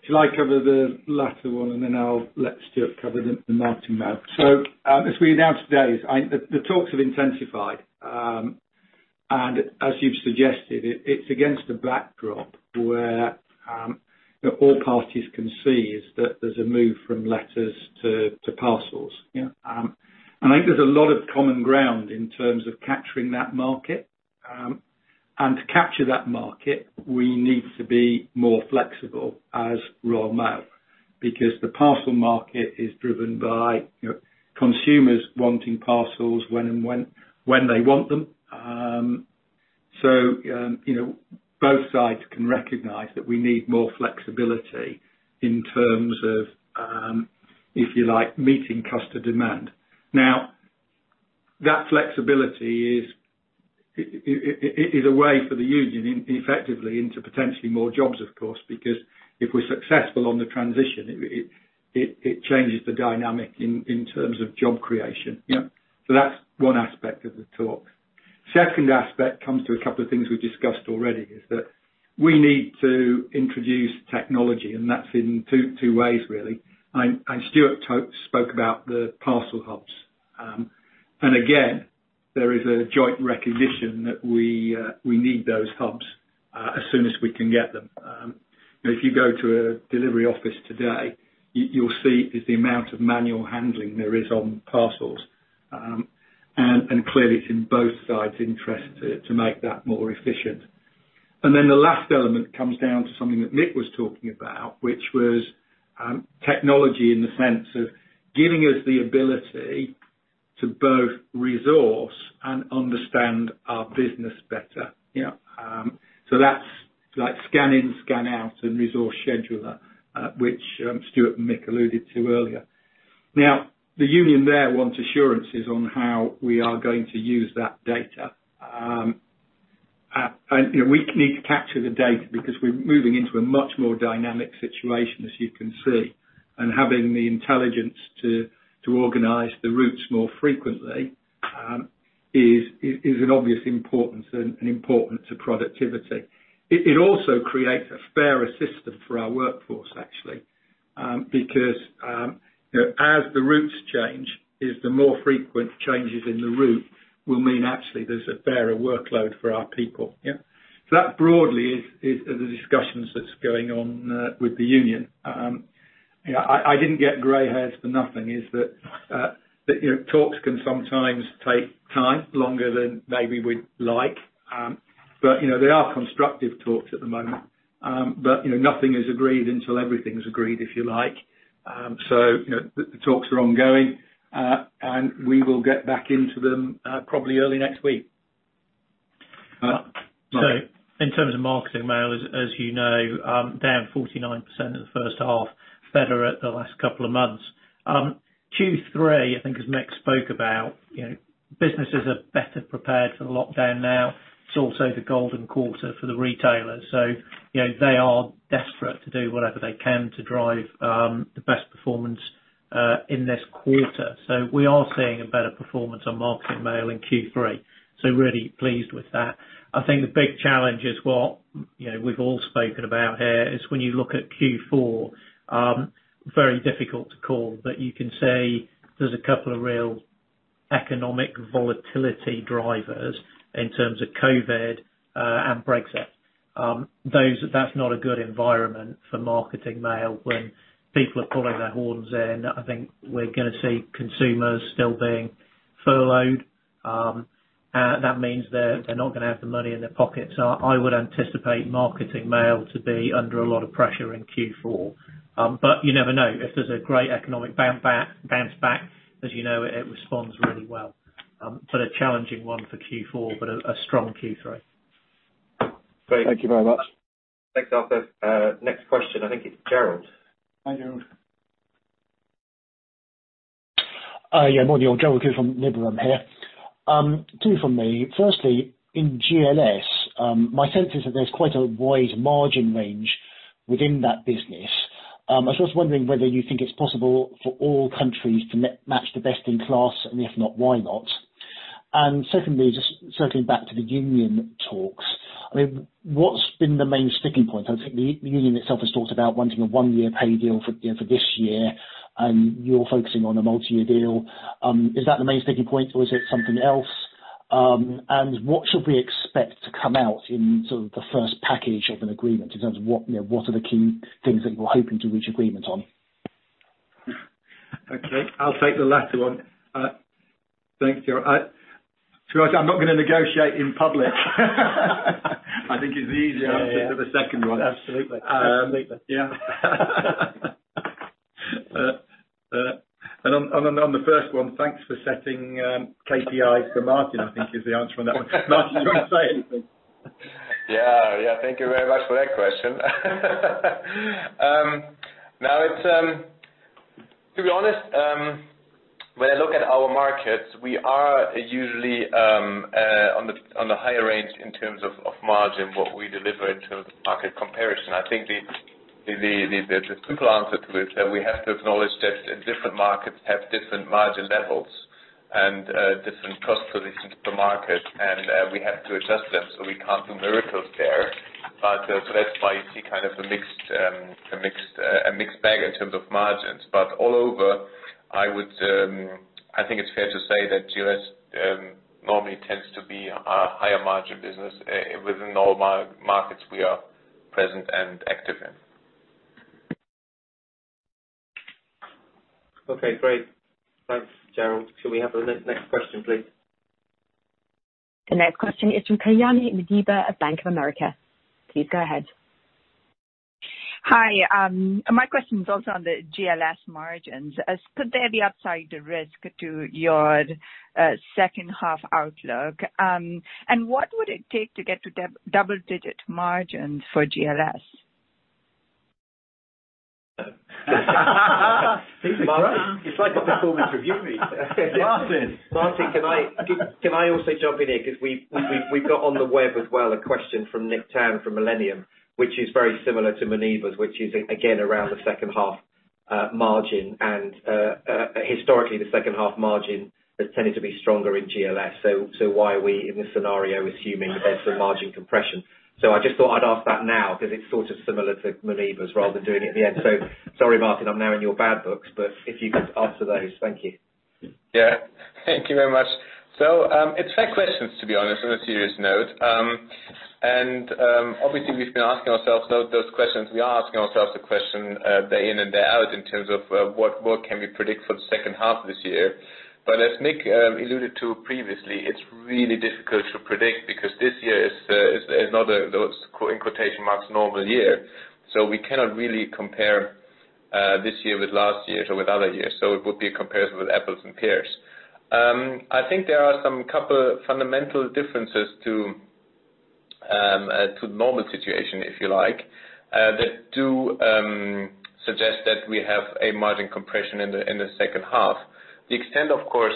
Shall I cover the latter one, and then I'll let Stuart cover the marketing mail? As we announced today, the talks have intensified. As you've suggested, it's against a backdrop where all parties can see is that there's a move from letters to parcels. Yeah. I think there's a lot of common ground in terms of capturing that market. To capture that market, we need to be more flexible as Royal Mail, because the parcel market is driven by consumers wanting parcels when they want them. Both sides can recognize that we need more flexibility in terms of, if you like, meeting customer demand. That flexibility is a way for the union effectively into potentially more jobs, of course, because if we're successful on the transition, it changes the dynamic in terms of job creation. Yeah. That's one aspect of the talk. Second aspect comes to a couple of things we've discussed already, is that we need to introduce technology, and that's in two ways, really. Stuart spoke about the parcel hubs. Again, there is a joint recognition that we need those hubs as soon as we can get them. If you go to a delivery office today, you'll see is the amount of manual handling there is on parcels. Clearly, it's in both sides' interest to make that more efficient. The last element comes down to something that Mick was talking about, which was technology in the sense of giving us the ability to both resource and understand our business better. Yeah. That's like scan in, scan out, and resource scheduler, which Stuart and Mick alluded to earlier. Now, the union there wants assurances on how we are going to use that data. We need to capture the data because we're moving into a much more dynamic situation, as you can see, and having the intelligence to organize the routes more frequently is an obvious importance and importance to productivity. It also creates a fairer system for our workforce, actually. As the routes change, is the more frequent changes in the route will mean actually there's a fairer workload for our people. Yeah. That broadly is the discussions that's going on with the union. I didn't get gray hairs for nothing, is that talks can sometimes take time longer than maybe we'd like. They are constructive talks at the moment. Nothing is agreed until everything's agreed, if you like. The talks are ongoing. We will get back into them probably early next week. In terms of marketing mail, as you know, down 49% in the first half, better at the last couple of months. Q3, I think as Mick spoke about, businesses are better prepared for the lockdown now. It's also the golden quarter for the retailers. They are desperate to do whatever they can to drive the best performance in this quarter. We are seeing a better performance on marketing mail in Q3. Really pleased with that. I think the big challenge is what we've all spoken about here, is when you look at Q4, very difficult to call, but you can say there's a couple of real economic volatility drivers in terms of COVID and Brexit. That's not a good environment for marketing mail when people are pulling their horns in. I think we're going to see consumers still being furloughed. That means that they're not going to have the money in their pockets. I would anticipate marketing mail to be under a lot of pressure in Q4. You never know. If there's a great economic bounce back, as you know, it responds really well. A challenging one for Q4, but a strong Q3. Great. Thank you very much. Thanks, Arthur. Next question. I think it's Gerald. Hi, Gerald. Yeah, morning all. Gerald Khoo from Liberum here. Two from me. In GLS, my sense is that there's quite a wide margin range within that business. I was just wondering whether you think it's possible for all countries to match the best in class, if not, why not? Just circling back to the union talks. What's been the main sticking point? I think the union itself has talked about wanting a one-year pay deal for this year, you're focusing on a multi-year deal. Is that the main sticking point or is it something else? What should we expect to come out in sort of the first package of an agreement in terms of what are the key things that you're hoping to reach agreement on? Okay, I'll take the latter one. Thanks, Gerald. To be honest, I'm not going to negotiate in public. I think it's the easy answer to the second one. Absolutely. Yeah. On the first one, thanks for setting KPIs for Martin, I think is the answer on that one. Martin, do you want to say anything? Yeah. Thank you very much for that question. To be honest, when I look at our markets, we are usually on the higher range in terms of margin, what we deliver in terms of market comparison. I think the simple answer to it is that we have to acknowledge that different markets have different margin levels and different cost positions per market, and we have to adjust them, so we can't do miracles there. That's why you see kind of a mixed bag in terms of margins. All over, I think it's fair to say that GLS normally tends to be a higher margin business within all markets we are present and active in. Okay, great. Thanks, Gerald. Should we have the next question, please? The next question is from Kayani Muneeba of Bank of America. Please go ahead. Hi. My question is also on the GLS margins. Could there be upside risk to your second half outlook? What would it take to get to double-digit margins for GLS? Jesus Christ. It's like a performance review meeting. Martin. Martin, can I also jump in here? We've got on the web as well a question from Nick Tan from Millennium, which is very similar to Muneeba's, which is again around the second half margin and historically the second half margin has tended to be stronger in GLS. Why are we in this scenario assuming there's some margin compression? I just thought I'd ask that now because it's sort of similar to Muneeba's rather than doing it at the end. Sorry, Martin, I'm now in your bad books, but if you could answer those. Thank you. Yeah. Thank you very much. It's fair questions, to be honest, on a serious note. Obviously, we've been asking ourselves those questions. We are asking ourselves the question day in and day out in terms of what more can we predict for the second half of this year. As Nick alluded to previously, it's really difficult to predict because this year is not a, in quotation marks, normal year. We cannot really compare this year with last year to with other years. It would be a comparison with apples and pears. I think there are some couple fundamental differences to normal situation, if you like, that do suggest that we have a margin compression in the second half. The extent, of course,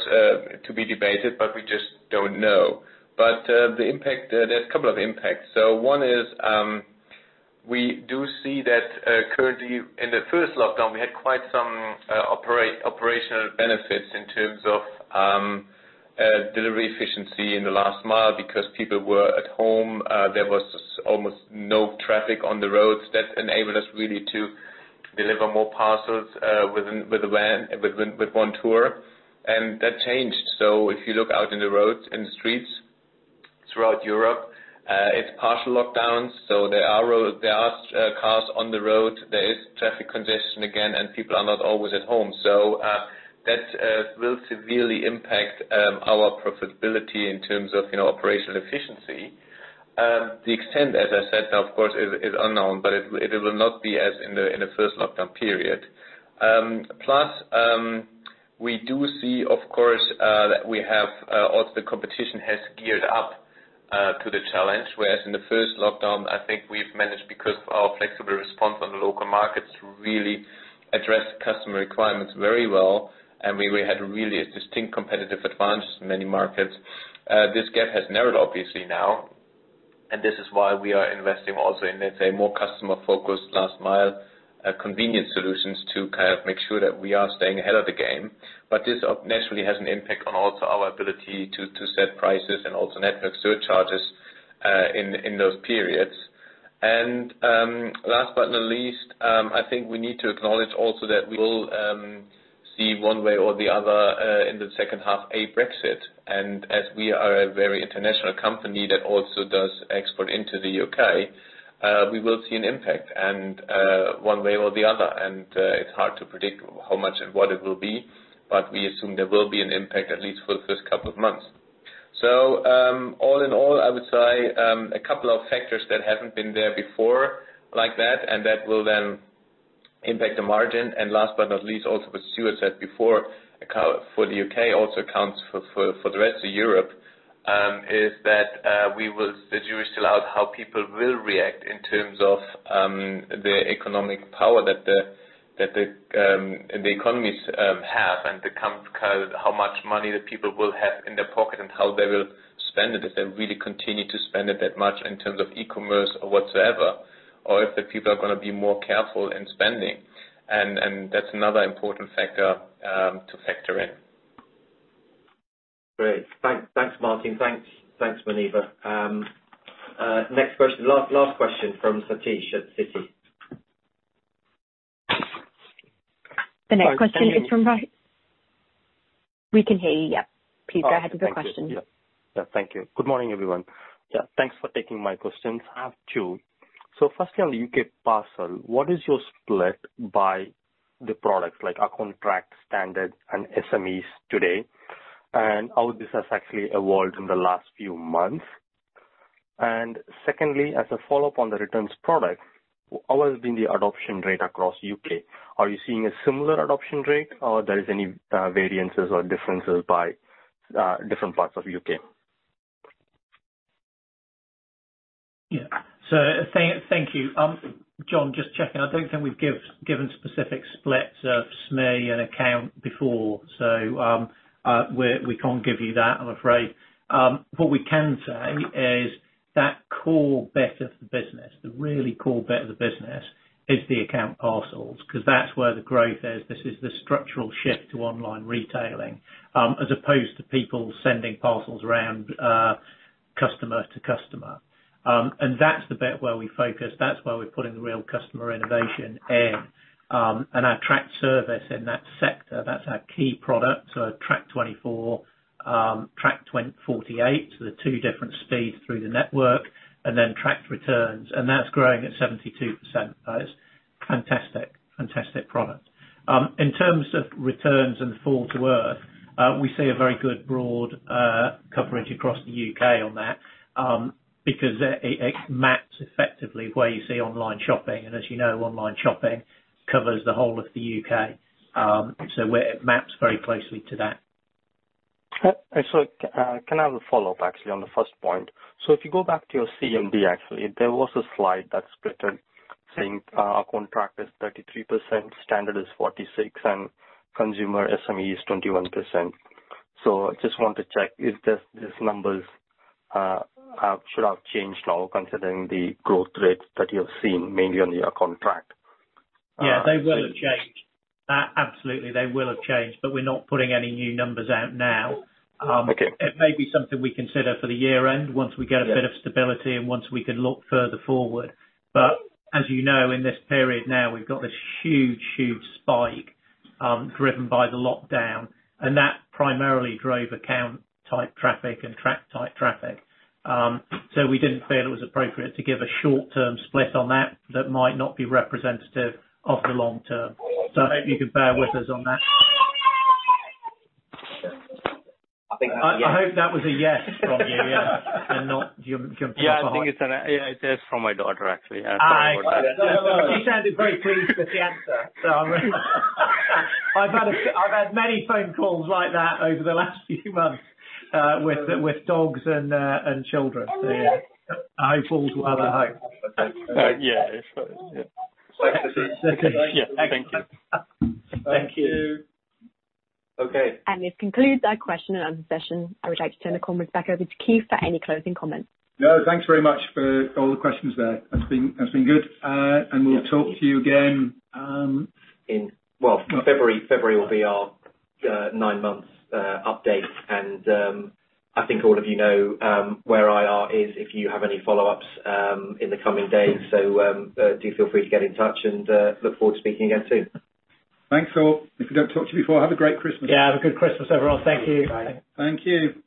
to be debated, but we just don't know. There's a couple of impacts. One is, we do see that currently in the first lockdown, we had quite some operational benefits in terms of delivery efficiency in the last mile because people were at home. There was almost no traffic on the roads. That enabled us really to deliver more parcels with one tour. That changed. If you look out in the roads and the streets throughout Europe, it is partial lockdowns. There are cars on the road. There is traffic congestion again, and people are not always at home. That will severely impact our profitability in terms of operational efficiency. The extent, as I said, of course, is unknown, but it will not be as in the first lockdown period. We do see, of course, that also the competition has geared up to the challenge. I think we've managed because of our flexible response on the local markets to really address customer requirements very well, and we had a really a distinct competitive advantage in many markets. This gap has narrowed obviously now, this is why we are investing also in, let's say, more customer-focused last mile convenience solutions to kind of make sure that we are staying ahead of the game. This naturally has an impact on also our ability to set prices and also network surcharges in those periods. Last but not least, I think we will see one way or the other in the second half a Brexit. As we are a very international company that also does export into the U.K., we will see an impact and one way or the other. It's hard to predict how much and what it will be, but we assume there will be an impact at least for the first couple of months. All in all, I would say, a couple of factors that haven't been there before like that, and that will then impact the margin. Last but not least, also what Stuart said before, for the U.K. also accounts for the rest of Europe, is that we will figure still out how people will react in terms of the economic power that the economies have and how much money the people will have in their pocket and how they will spend it, if they really continue to spend it that much in terms of e-commerce or whatsoever, or if the people are going to be more careful in spending. That's another important factor to factor in. Great. Thanks, Martin. Thanks, Muneeba. Next question. Last question from Sathish at Citi. The next question is from Sathish. We can hear you, yep. Please go ahead with your question. Oh, thank you. Thank you. Good morning, everyone. Thanks for taking my questions. I have two. Firstly on U.K. parcel, what is your split by the products like account tracked, standard, and SMEs today? How this has actually evolved in the last few months. Secondly, as a follow-up on the returns product, how has been the adoption rate across U.K.? Are you seeing a similar adoption rate or there is any variances or differences by different parts of U.K.? Yeah. Thank you. John, just checking. I don't think we've given specific splits of SME and account before, so we can't give you that, I'm afraid. What we can say is that core bit of the business, the really core bit of the business is the account parcels, because that's where the growth is. This is the structural shift to online retailing, as opposed to people sending parcels around customer to customer. That's the bit where we focus, that's where we're putting the real customer innovation in. Our tracked service in that sector, that's our key product. Track24, Track48, so the two different speeds through the network, and then Tracked Returns. That's growing at 72%. That is fantastic product. In terms of returns and forward to earth, we see a very good broad coverage across the U.K. on that, because it maps effectively where you see online shopping. As you know, online shopping covers the whole of the U.K. It maps very closely to that. Can I have a follow-up actually on the first point? If you go back to your CMD, actually, there was a slide that split saying account tracked is 33%, standard is 46%, and consumer SME is 21%. Just want to check if these numbers should have changed now, considering the growth rates that you have seen mainly on your contract. Yeah, they will have changed. Absolutely, they will have changed, but we're not putting any new numbers out now. Okay. It may be something we consider for the year-end once we get a bit of stability and once we can look further forward. As you know, in this period now, we've got this huge spike driven by the lockdown, and that primarily drove account type traffic and track type traffic. We didn't feel it was appropriate to give a short-term split on that might not be representative of the long term. I hope you can bear with us on that. I think that's a yes. I hope that was a yes from you, yeah. Not you Yeah, I think it's Yeah, it is from my daughter, actually. I'm sorry about that. She sounded very pleased with the answer. I've had many phone calls like that over the last few months with dogs and children. Yeah. I hope all is well at home. Yeah, it is. Yeah. Thank you. Thank you. Okay. This concludes our question and answer session. I would like to turn the conference back over to Keith for any closing comments. No, thanks very much for all the questions there. That's been good. We'll talk to you again. In, well, February will be our nine months update, and I think all of you know where IR is if you have any follow-ups in the coming days. Do feel free to get in touch and look forward to speaking again soon. Thanks all. If we don't talk to you before, have a great Christmas. Yeah, have a good Christmas, everyone. Thank you. Thank you.